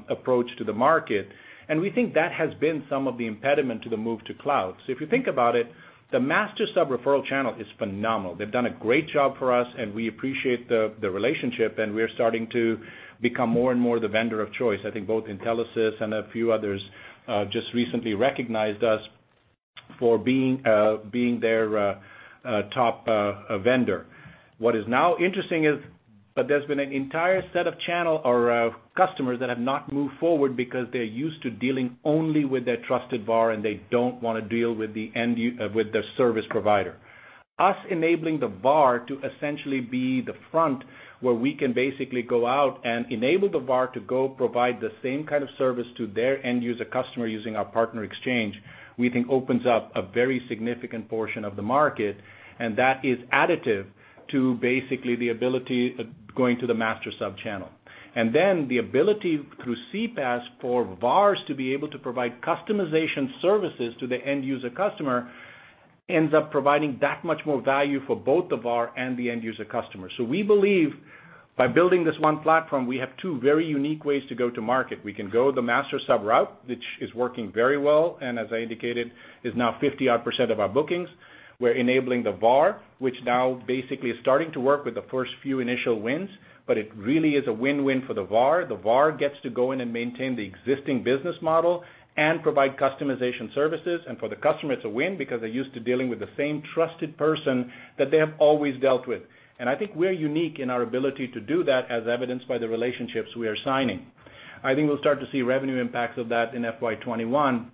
S3: approach to the market, and we think that has been some of the impediment to the move to cloud. If you think about it, the master sub referral channel is phenomenal. They've done a great job for us, and we appreciate the relationship, and we are starting to become more and more the vendor of choice. I think both Intelisys and a few others just recently recognized us for being their top vendor. What is now interesting is that there's been an entire set of channel or customers that have not moved forward because they're used to dealing only with their trusted VAR, and they don't want to deal with their service provider. Us enabling the VAR to essentially be the front where we can basically go out and enable the VAR to go provide the same kind of service to their end user customer using our PartnerXchange, we think opens up a very significant portion of the market, and that is additive to basically the ability going to the master sub channel. The ability through CPaaS for VARs to be able to provide customization services to the end user customer ends up providing that much more value for both the VAR and the end user customer. We believe by building this one platform, we have two very unique ways to go to market. We can go the master sub route, which is working very well, and as I indicated, is now 50% of our bookings. We're enabling the VAR, which now basically is starting to work with the first few initial wins, but it really is a win-win for the VAR. The VAR gets to go in and maintain the existing business model and provide customization services. For the customer, it's a win because they're used to dealing with the same trusted person that they have always dealt with. I think we're unique in our ability to do that, as evidenced by the relationships we are signing. I think we'll start to see revenue impacts of that in FY 2021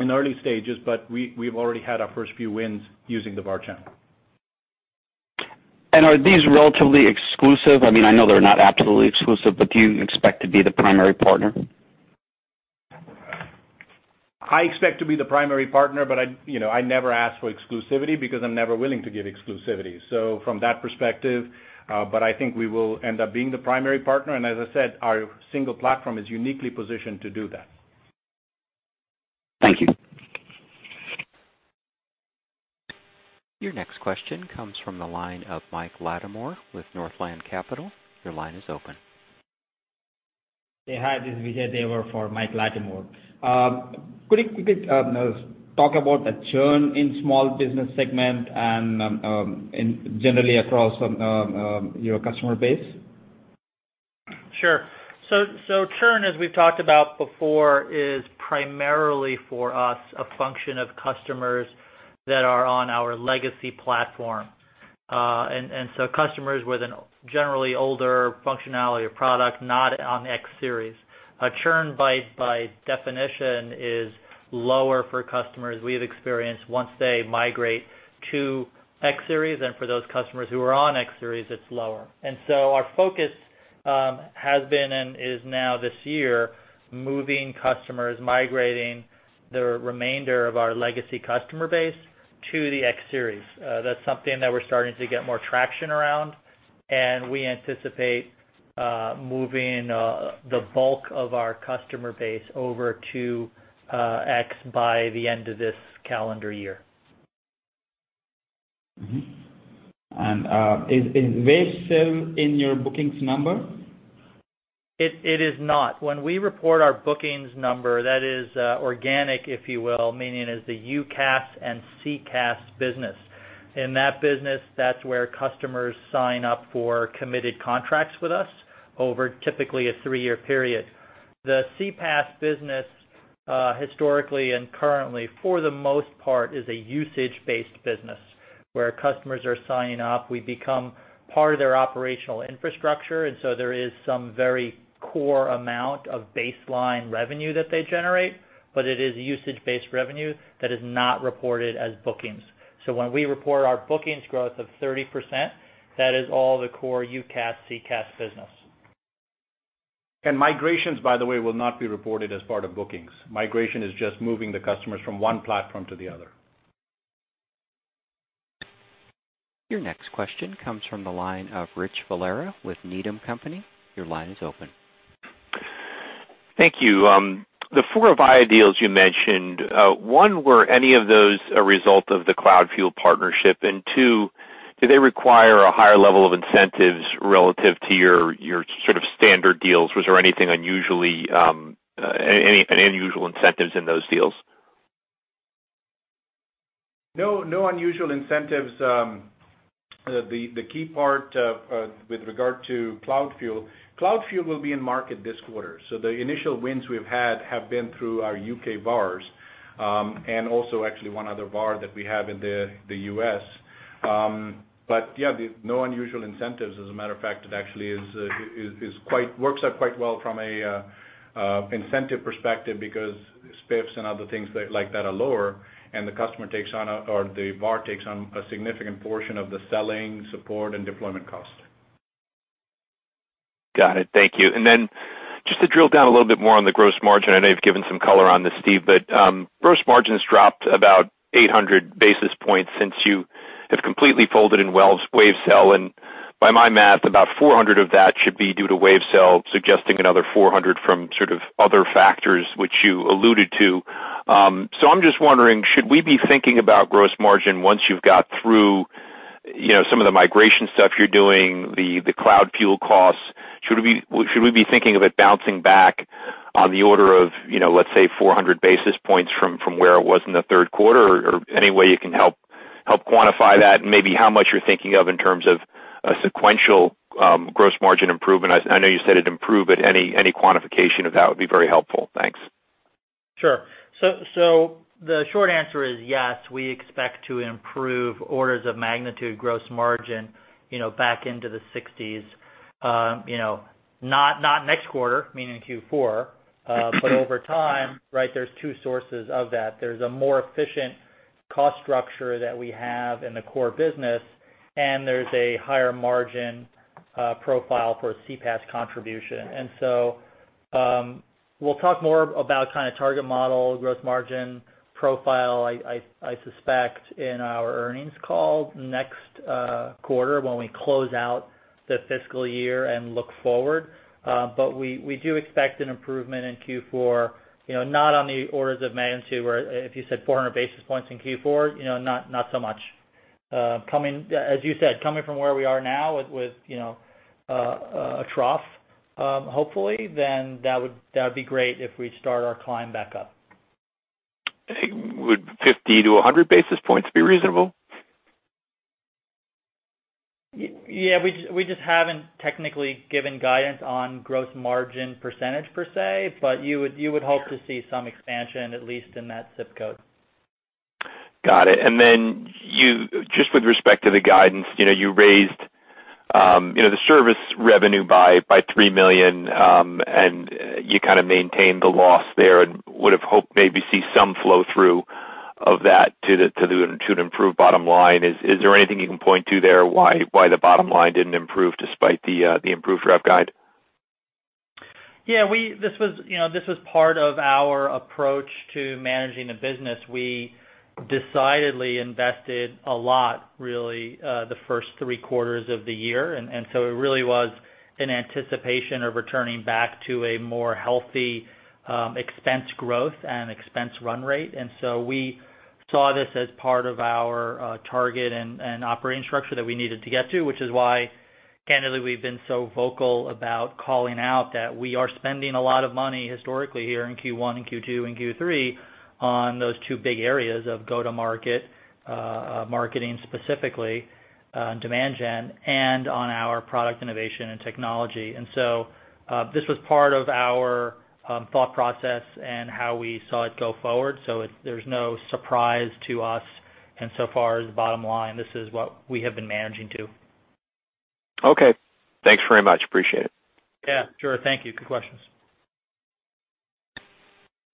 S3: in early stages, but we've already had our first few wins using the VAR channel.
S7: Are these relatively exclusive? I know they're not absolutely exclusive, but do you expect to be the primary partner?
S3: I expect to be the primary partner, but I never ask for exclusivity because I'm never willing to give exclusivity. From that perspective, but I think we will end up being the primary partner, and as I said, our single platform is uniquely positioned to do that.
S7: Thank you.
S1: Your next question comes from the line of Mike Latimore with Northland Capital. Your line is open.
S8: Hi, this is [Vijay Devar] for Mike Latimore. Could you quickly talk about the churn in small business segment and generally across your customer base?
S4: Sure. Churn, as we've talked about before, is primarily for us a function of customers that are on our legacy platform. Customers with a generally older functionality of product, not on X Series. Churn by definition is lower for customers we've experienced once they migrate to X Series, and for those customers who are on X Series, it's lower. Our focus has been and is now this year, moving customers, migrating the remainder of our legacy customer base to the X Series. That's something that we're starting to get more traction around, and we anticipate moving the bulk of our customer base over to X by the end of this calendar year.
S8: Mm-hmm. Is Wavecell still in your bookings number?
S4: It is not. When we report our bookings number, that is organic, if you will, meaning it is the UCaaS and CCaaS business. In that business, that's where customers sign up for committed contracts with us over typically a three-year period. The CPaaS business, historically and currently, for the most part, is a usage-based business where customers are signing up. We become part of their operational infrastructure, and so there is some very core amount of baseline revenue that they generate, but it is usage-based revenue that is not reported as bookings. When we report our bookings growth of 30%, that is all the core UCaaS, CCaaS business.
S3: Migrations, by the way, will not be reported as part of bookings. Migration is just moving the customers from one platform to the other.
S1: Your next question comes from the line of Rich Valera with Needham Company. Your line is open.
S9: Thank you. The four Avaya deals you mentioned, one, were any of those a result of the CloudFuel partnership? Two-Do they require a higher level of incentives relative to your standard deals? Was there any unusual incentives in those deals?
S3: No unusual incentives. The key part with regard to CloudFuel will be in market this quarter. The initial wins we've had have been through our U.K. VARs, and also actually one other VAR that we have in the U.S. Yeah, no unusual incentives. As a matter of fact, it actually works out quite well from an incentive perspective because SPIFs and other things like that are lower, and the customer takes on, or the VAR takes on a significant portion of the selling support and deployment cost.
S9: Got it. Thank you. Just to drill down a little bit more on the gross margin, I know you've given some color on this, Steven, but gross margins dropped about 800 basis points since you have completely folded in Wavecell, and by my math, about 400 of that should be due to Wavecell, suggesting another 400 from other factors which you alluded to. I'm just wondering, should we be thinking about gross margin once you've got through some of the migration stuff you're doing, the CloudFuel costs? Should we be thinking of it bouncing back on the order of, let's say, 400 basis points from where it was in the third quarter? Any way you can help quantify that and maybe how much you're thinking of in terms of a sequential gross margin improvement. I know you said it'd improve, but any quantification of that would be very helpful. Thanks.
S4: Sure. The short answer is yes, we expect to improve orders of magnitude gross margin back into the 60s. Not next quarter, meaning Q4, but over time, there's two sources of that. There's a more efficient cost structure that we have in the core business, and there's a higher margin profile for CPaaS contribution. We'll talk more about target model, gross margin profile, I suspect, in our earnings call next quarter when we close out the fiscal year and look forward. We do expect an improvement in Q4, not on the orders of magnitude where if you said 400 basis points in Q4, not so much. As you said, coming from where we are now, with a trough, hopefully, then that would be great if we start our climb back up.
S9: Would 50 basis points-100 basis points be reasonable?
S4: Yeah, we just haven't technically given guidance on gross margin percentage per se, but you would hope to see some expansion, at least in that ZIP code.
S9: Got it. Then just with respect to the guidance, you raised the service revenue by $3 million, and you kind of maintained the loss there and would've hoped maybe see some flow-through of that to an improved bottom line. Is there anything you can point to there why the bottom line didn't improve despite the improved rev guide?
S4: Yeah, this was part of our approach to managing the business. We decidedly invested a lot, really, the first three quarters of the year. It really was in anticipation of returning back to a more healthy expense growth and expense run rate. We saw this as part of our target and operating structure that we needed to get to, which is why, candidly, we've been so vocal about calling out that we are spending a lot of money historically here in Q1 and Q2 and Q3 on those two big areas of go-to-market, marketing specifically, demand gen, and on our product innovation and technology. This was part of our thought process and how we saw it go forward. There's no surprise to us. So far as bottom line, this is what we have been managing to.
S9: Okay. Thanks very much. Appreciate it.
S4: Yeah, sure. Thank you. Good questions.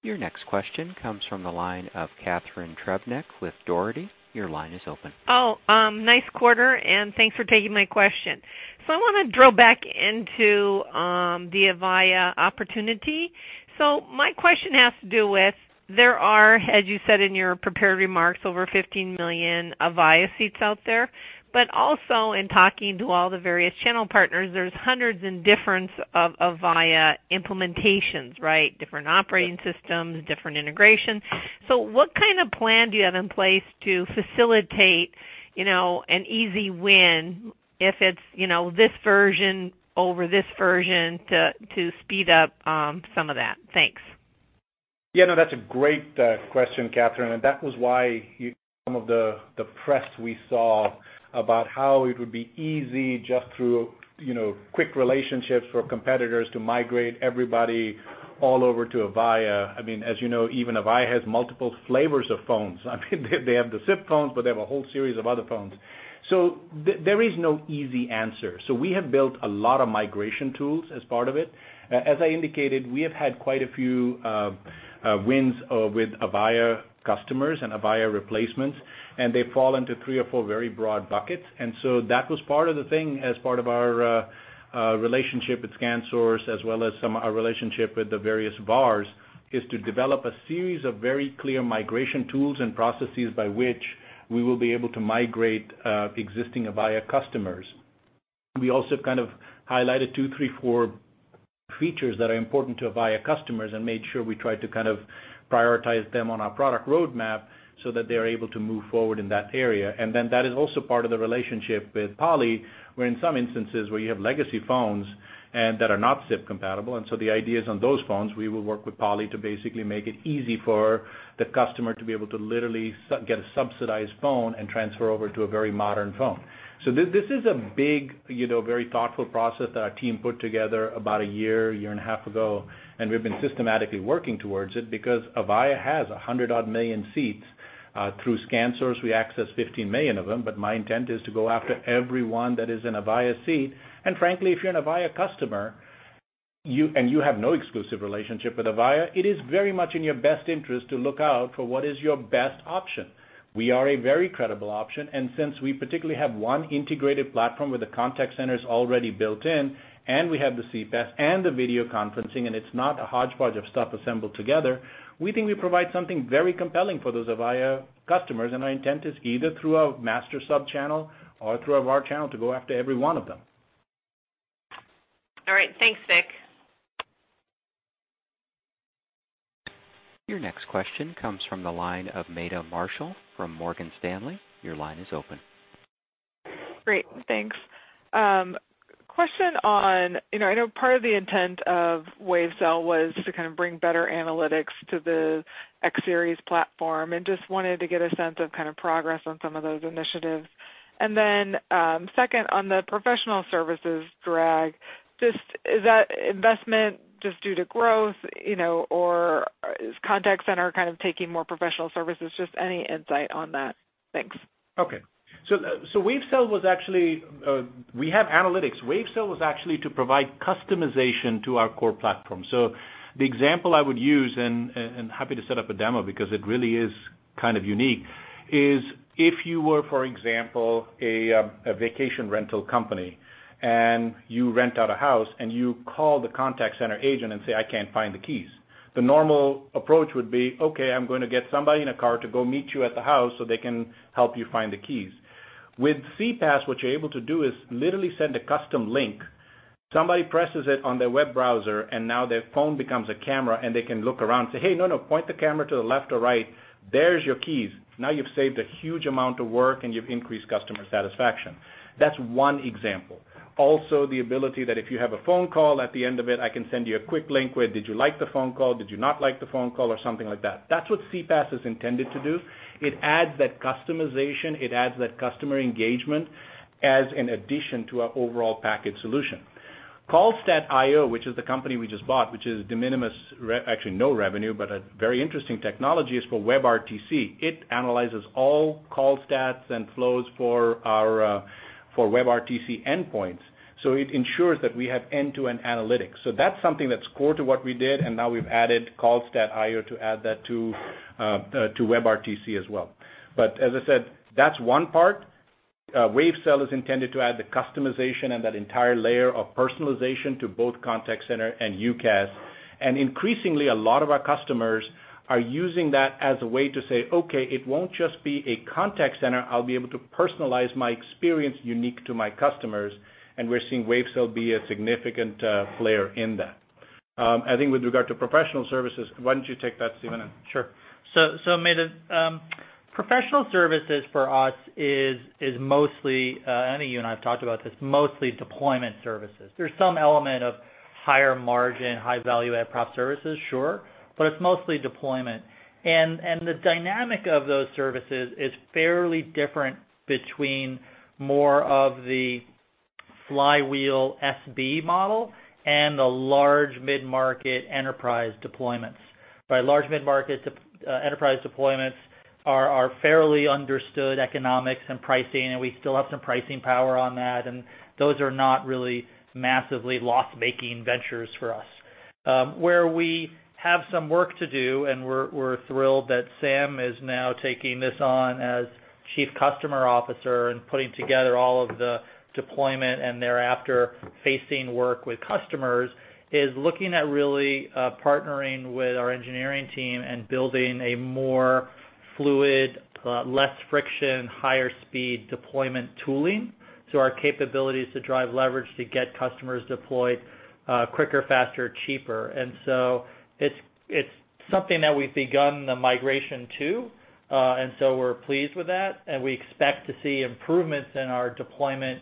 S1: Your next question comes from the line of Catharine Trebnick with Dougherty. Your line is open.
S10: Nice quarter, thanks for taking my question. I want to drill back into the Avaya opportunity. My question has to do with, there are, as you said in your prepared remarks, over 15 million Avaya seats out there, but also in talking to all the various channel partners, there's hundreds and difference of Avaya implementations, right? Different operating systems, different integrations. What kind of plan do you have in place to facilitate an easy win if it's this version over this version to speed up some of that? Thanks.
S3: Yeah, no, that's a great question, Catharine, and that was why some of the press we saw about how it would be easy just through quick relationships for competitors to migrate everybody all over to Avaya. As you know, even Avaya has multiple flavors of phones. They have the SIP phones, they have a whole series of other phones. There is no easy answer. We have built a lot of migration tools as part of it. As I indicated, we have had quite a few wins with Avaya customers and Avaya replacements, they fall into three or four very broad buckets. That was part of the thing, as part of our relationship with ScanSource as well as our relationship with the various VARs, is to develop a series of very clear migration tools and processes by which we will be able to migrate existing Avaya customers. We also kind of highlighted two, three, four features that are important to Avaya customers and made sure we tried to prioritize them on our product roadmap so that they are able to move forward in that area. That is also part of the relationship with Poly, where in some instances where you have legacy phones and that are not SIP compatible, and so the idea is on those phones, we will work with Poly to basically make it easy for the customer to be able to literally get a subsidized phone and transfer over to a very modern phone. This is a big, very thoughtful process that our team put together about a year and a half ago, and we've been systematically working towards it because Avaya has 100 odd million seats. Through ScanSource, we access 15 million of them, but my intent is to go after every one that is an Avaya seat. Frankly, if you're an Avaya customer, and you have no exclusive relationship with Avaya, it is very much in your best interest to look out for what is your best option. We are a very credible option, and since we particularly have one integrated platform where the contact center's already built in, and we have the CPaaS and the video conferencing, and it's not a hodgepodge of stuff assembled together, we think we provide something very compelling for those Avaya customers. Our intent is either through a master sub-channel or through our channel to go after every one of them.
S10: All right. Thanks, Vik.
S1: Your next question comes from the line of Meta Marshall from Morgan Stanley. Your line is open.
S11: Great. Thanks. Question on, I know part of the intent of Wavecell was to kind of bring better analytics to the X Series platform. Just wanted to get a sense of progress on some of those initiatives. Then, second on the professional services drag, is that investment just due to growth, or is contact center kind of taking more professional services? Just any insight on that. Thanks.
S3: We have analytics. Wavecell was actually to provide customization to our core platform. The example I would use, and happy to set up a demo because it really is kind of unique is if you were, for example, a vacation rental company, and you rent out a house and you call the contact center agent and say, "I can't find the keys." The normal approach would be, "Okay, I'm going to get somebody in a car to go meet you at the house so they can help you find the keys." With CPaaS, what you're able to do is literally send a custom link. Somebody presses it on their web browser, and now their phone becomes a camera, and they can look around and say, "Hey, no." Point the camera to the left or right, "There's your keys." Now you've saved a huge amount of work and you've increased customer satisfaction. That's one example. Also, the ability that if you have a phone call, at the end of it, I can send you a quick link with, "Did you like the phone call? Did you not like the phone call?" Or something like that. That's what CPaaS is intended to do. It adds that customization, it adds that customer engagement as an addition to our overall package solution. callstats.io, which is the company we just bought, which is de minimis, actually no revenue, but a very interesting technology, is for WebRTC. It analyzes all call stats and flows for WebRTC endpoints. It ensures that we have end-to-end analytics. That's something that's core to what we did, and now we've added callstats.io to add that to WebRTC as well. As I said, that's one part. Wavecell is intended to add the customization and that entire layer of personalization to both contact center and UCaaS. Increasingly, a lot of our customers are using that as a way to say, "Okay, it won't just be a contact center. I'll be able to personalize my experience unique to my customers." We're seeing Wavecell be a significant player in that. I think with regard to professional services, why don't you take that, Steven.
S4: Sure. Meta, professional services for us is mostly, I know you and I have talked about this, mostly deployment services. There's some element of higher margin, high value-add prop services, sure. It's mostly deployment. The dynamic of those services is fairly different between more of the flywheel SB model and the large mid-market enterprise deployments. By large mid-market enterprise deployments are fairly understood economics and pricing, and we still have some pricing power on that, and those are not really massively loss-making ventures for us. Where we have some work to do, and we're thrilled that Sam is now taking this on as Chief Customer Officer and putting together all of the deployment and thereafter facing work with customers, is looking at really partnering with our engineering team and building a more fluid, less friction, higher speed deployment tooling. Our capabilities to drive leverage to get customers deployed quicker, faster, cheaper. It's something that we've begun the migration to. We're pleased with that, and we expect to see improvements in our deployment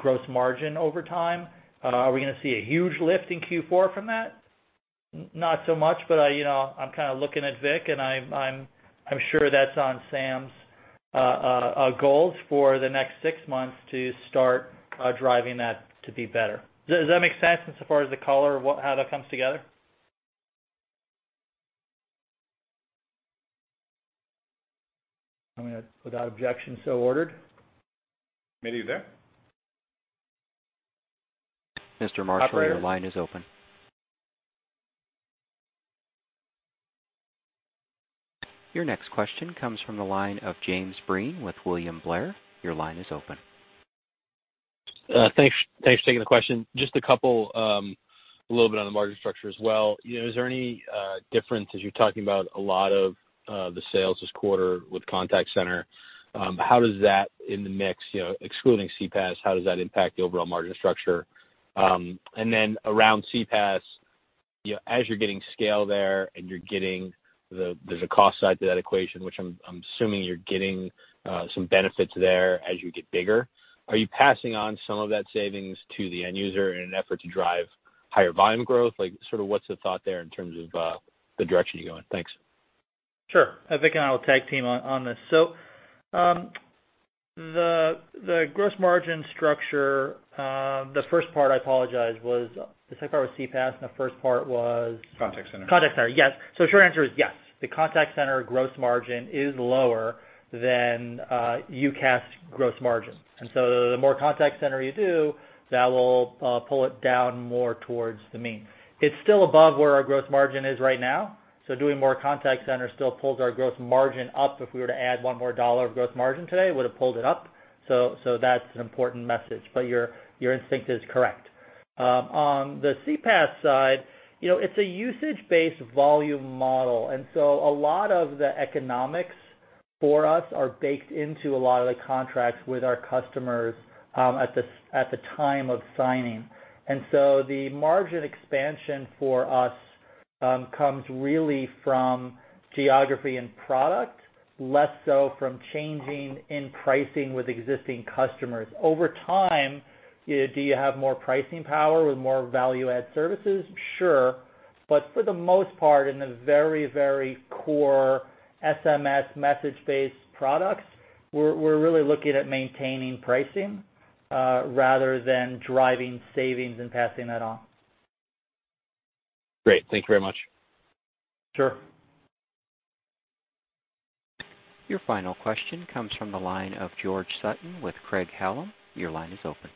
S4: gross margin over time. Are we going to see a huge lift in Q4 from that? Not so much, but I'm kind of looking at Vik, and I'm sure that's on Sam's goals for the next six months to start driving that to be better. Does that make sense insofar as the color of how that comes together? I mean, without objection, so ordered.
S3: Meta, you there?
S1: Mr. Marshall-
S3: Operator. Your line is open.
S1: Your next question comes from the line of James Breen with William Blair. Your line is open.
S12: Thanks for taking the question. Just a couple, a little bit on the margin structure as well. Is there any difference as you're talking about a lot of the sales this quarter with contact center? How does that in the mix, excluding CPaaS, how does that impact the overall margin structure? Then around CPaaS, as you're getting scale there and there's a cost side to that equation, which I'm assuming you're getting some benefits there as you get bigger, are you passing on some of that savings to the end user in an effort to drive higher volume growth? What's the thought there in terms of the direction you're going? Thanks.
S4: Sure. Vik and I will tag team on this. The gross margin structure, the first part, I apologize, the second part was CPaaS, and the first part was.
S3: Contact Center
S4: Contact center, yes. The short answer is yes. The contact center gross margin is lower than UCaaS gross margin. The more contact center you do, that will pull it down more towards the mean. It's still above where our gross margin is right now, so doing more contact center still pulls our gross margin up. If we were to add $1 more of gross margin today, it would've pulled it up. That's an important message. Your instinct is correct. On the CPaaS side, it's a usage-based volume model, and so a lot of the economics for us are baked into a lot of the contracts with our customers at the time of signing. The margin expansion for us comes really from geography and product, less so from changing in pricing with existing customers. Over time, do you have more pricing power with more value-add services? Sure. For the most part, in the very core SMS message-based products, we're really looking at maintaining pricing, rather than driving savings and passing that on.
S12: Great. Thank you very much.
S4: Sure.
S1: Your final question comes from the line of George Sutton with Craig-Hallum. Your line is open.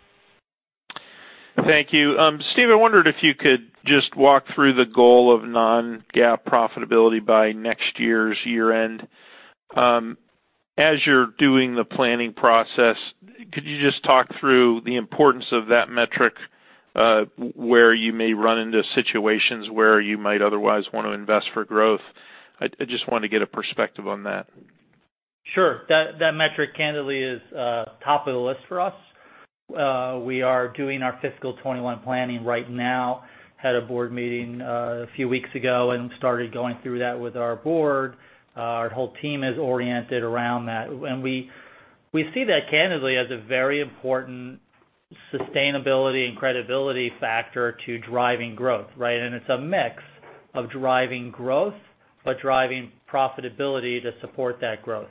S13: Thank you. Steven, I wondered if you could just walk through the goal of non-GAAP profitability by next year's year-end. As you're doing the planning process, could you just talk through the importance of that metric, where you may run into situations where you might otherwise want to invest for growth? I just wanted to get a perspective on that.
S4: Sure. That metric, candidly, is top of the list for us. We are doing our fiscal 2021 planning right now. Had a board meeting a few weeks ago and started going through that with our board. Our whole team is oriented around that. We see that candidly as a very important sustainability and credibility factor to driving growth, right? It's a mix of driving growth, but driving profitability to support that growth.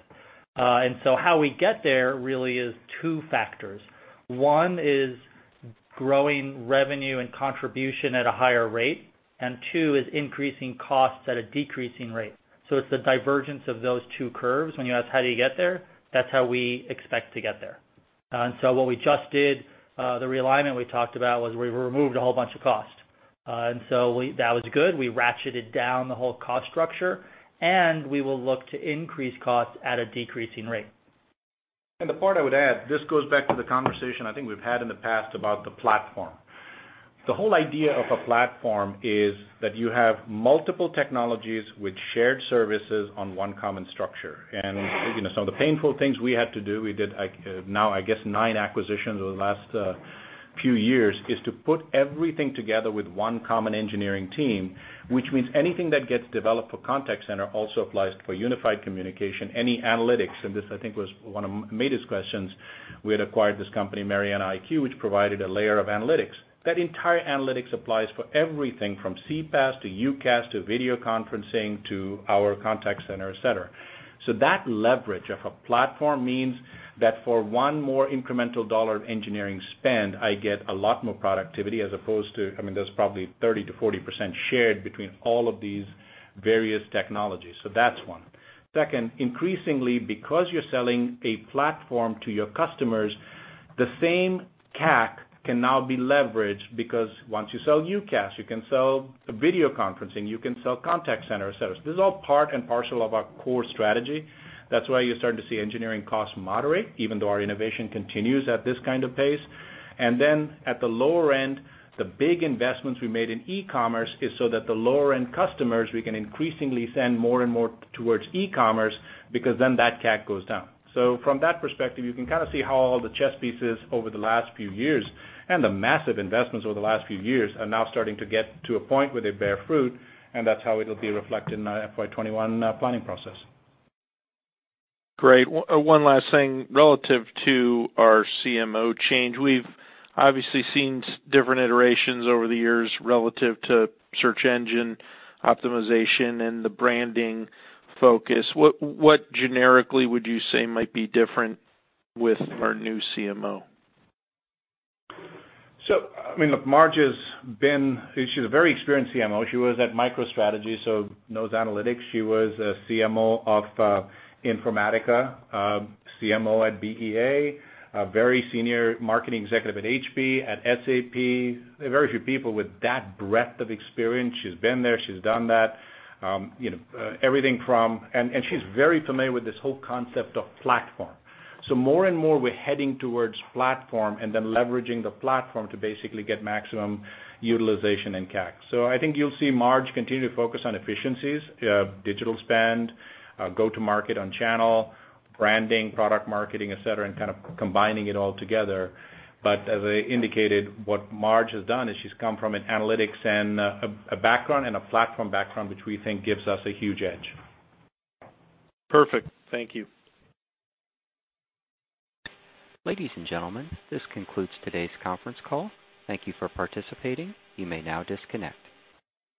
S4: How we get there really is two factors. One is growing revenue and contribution at a higher rate, and two is increasing costs at a decreasing rate. It's the divergence of those two curves. When you ask how do you get there, that's how we expect to get there. What we just did, the realignment we talked about was we removed a whole bunch of costs. That was good. We ratcheted down the whole cost structure, and we will look to increase costs at a decreasing rate.
S3: The part I would add, this goes back to the conversation I think we've had in the past about the platform. The whole idea of a platform is that you have multiple technologies with shared services on one common structure. Some of the painful things we had to do, we did now I guess nine acquisitions over the last few years, is to put everything together with one common engineering team, which means anything that gets developed for contact center also applies for unified communication. Any analytics, and this, I think, was one of Madhu's questions, we had acquired this company, MarianaIQ, which provided a layer of analytics. That entire analytics applies for everything from CPaaS to UCaaS, to video conferencing, to our contact center, et cetera. That leverage of a platform means that for one more incremental $1 of engineering spend, I get a lot more productivity as opposed to. There's probably 30%-40% shared between all of these various technologies. Second, increasingly, because you're selling a platform to your customers, the same CAC can now be leveraged because once you sell UCaaS, you can sell video conferencing, you can sell contact center service. This is all part and parcel of our core strategy. That's why you're starting to see engineering costs moderate, even though our innovation continues at this kind of pace. At the lower end, the big investments we made in e-commerce is so that the lower-end customers, we can increasingly send more and more towards e-commerce because then that CAC goes down. From that perspective, you can see how all the chess pieces over the last few years, and the massive investments over the last few years, are now starting to get to a point where they bear fruit, and that's how it'll be reflected in our FY 2021 planning process.
S13: Great. One last thing. Relative to our CMO change, we've obviously seen different iterations over the years relative to search engine optimization and the branding focus. What generically would you say might be different with our new CMO?
S3: Marge is a very experienced CMO. She was at MicroStrategy, knows analytics. She was a CMO of Informatica, CMO at BEA, a very senior marketing executive at HP, at SAP. There are very few people with that breadth of experience. She's been there, she's done that. She's very familiar with this whole concept of platform. More and more, we're heading towards platform and then leveraging the platform to basically get maximum utilization and CAC. I think you'll see Marge continue to focus on efficiencies, digital spend, go-to-market on channel, branding, product marketing, et cetera, and kind of combining it all together. As I indicated, what Marge has done is she's come from an analytics background and a platform background, which we think gives us a huge edge.
S13: Perfect. Thank you.
S1: Ladies and gentlemen, this concludes today's conference call. Thank you for participating. You may now disconnect.